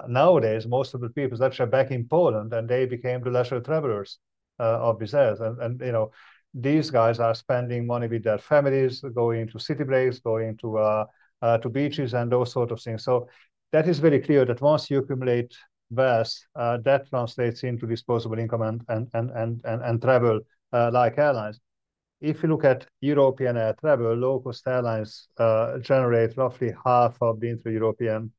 Nowadays most of the people are back in Poland and they became the leisure travelers of Wizz Air. And, you know, these guys are spending money with their families, going to city breaks, going to beaches and those sort of things. That is very clear that once you accumulate wealth, that translates into disposable income and travel, like airlines. If you look at European air travel, low-cost airlines generate roughly half of the intra-European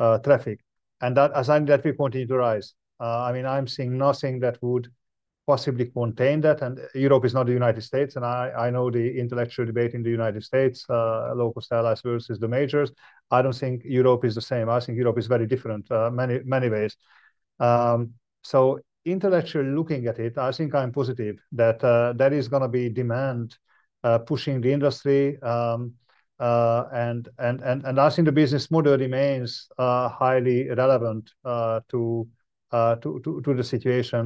traffic. That, as I think, will continue to rise. I mean, I'm seeing nothing that would possibly contain that. Europe is not the United States. I know the intellectual debate in the United States, low cost airlines versus the majors. I don't think Europe is the same. I think Europe is very different in many, many ways. Intellectually looking at it, I think I'm positive that there is gonna be demand pushing the industry, and I think the business model remains highly relevant to the situation.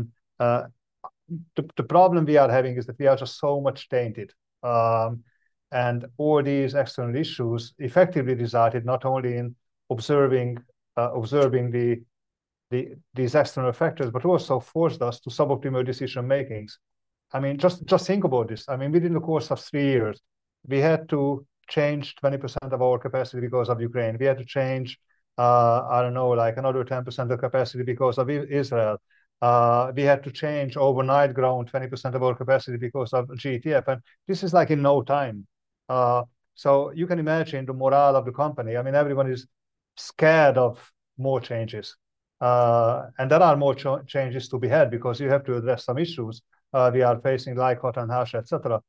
The problem we are having is that we are just so much tainted, and all these external issues effectively resulted not only in observing these external factors, but also forced us to suboptimal decision makings. I mean, just think about this. I mean, within the course of three years, we had to change 20% of our capacity because of Ukraine. We had to change, I don't know, like another 10% of capacity because of Israel. We had to change overnight, grown 20% of our capacity because of GTF. And this is like in no time. You can imagine the morale of the company. I mean, everyone is scared of more changes. There are more changes to be had because you have to address some issues. We are facing like hot and harsh, et cetera.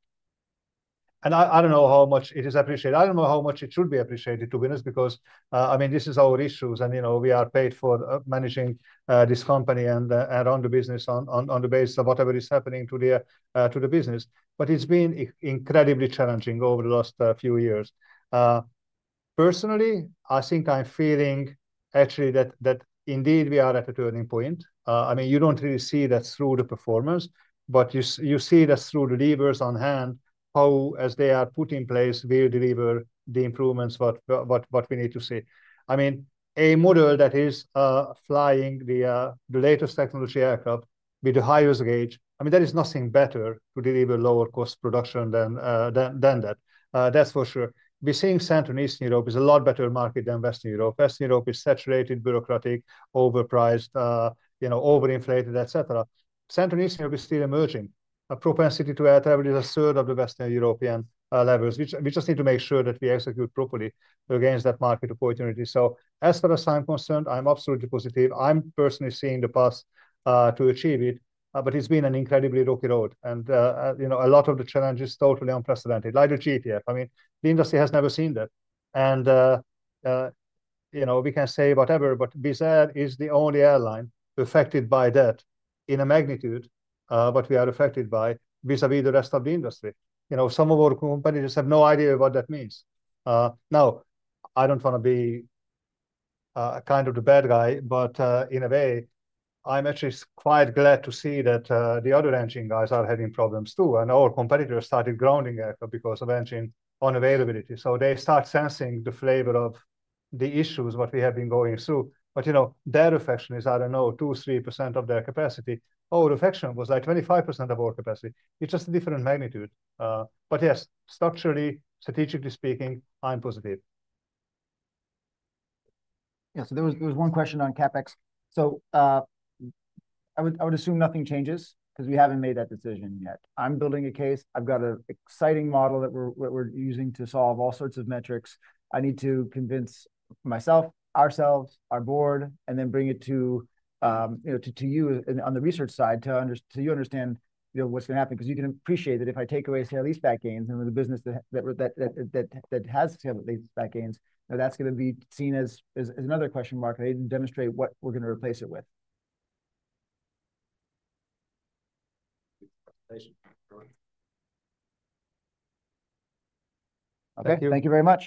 I don't know how much it is appreciated. I don't know how much it should be appreciated to be honest, because, I mean, this is our issues and you know, we are paid for managing this company and run the business on the basis of whatever is happening to the business. But it's been incredibly challenging over the last few years. Personally, I think I'm feeling actually that indeed we are at a turning point. I mean, you don't really see that through the performance, but you see that through the levers on hand, how, as they are put in place, we deliver the improvements, what we need to see. I mean, a model that is flying the latest technology aircraft with the highest gauge. I mean, there is nothing better to deliver lower cost production than that. That's for sure. We're seeing Central and Eastern Europe is a lot better market than Western Europe. Western Europe is saturated, bureaucratic, overpriced, you know, overinflated, et cetera. Central and Eastern Europe is still emerging. A propensity to air travel is 1/3 of the Western European levels, which we just need to make sure that we execute properly against that market opportunity. As far as I'm concerned, I'm absolutely positive. I'm personally seeing the path to achieve it, but it's been an incredibly rocky road. You know, a lot of the challenge is totally unprecedented, like the GTF. I mean, the industry has never seen that. You know, we can say whatever, but Wizz Air is the only airline affected by that in a magnitude, but we are affected by vis-à-vis the rest of the industry. You know, some of our companies have no idea what that means. Now I don't wanna be, kind of the bad guy, but, in a way, I'm actually quite glad to see that the other engine guys are having problems too. And our competitors started grounding aircraft because of engine unavailability. They start sensing the flavor of the issues what we have been going through. You know, their reflection is, I don't know, 2%, 3% of their capacity. Our reflection was like 25% of our capacity. It's just a different magnitude. Structurally, strategically speaking, I'm positive. Yeah. There was one question on CapEx. I would assume nothing changes 'cause we haven't made that decision yet. I'm building a case. I've got an exciting model that we're using to solve all sorts of metrics. I need to convince myself, ourselves, our board, and then bring it to, you know, to you on the research side to understand, to you understand, you know, what's gonna happen. 'Cause you can appreciate that if I take away sale lease back gains and the business that has sale lease back gains, you know, that's gonna be seen as another question mark. I didn't demonstrate what we're gonna replace it with. Thank you very much.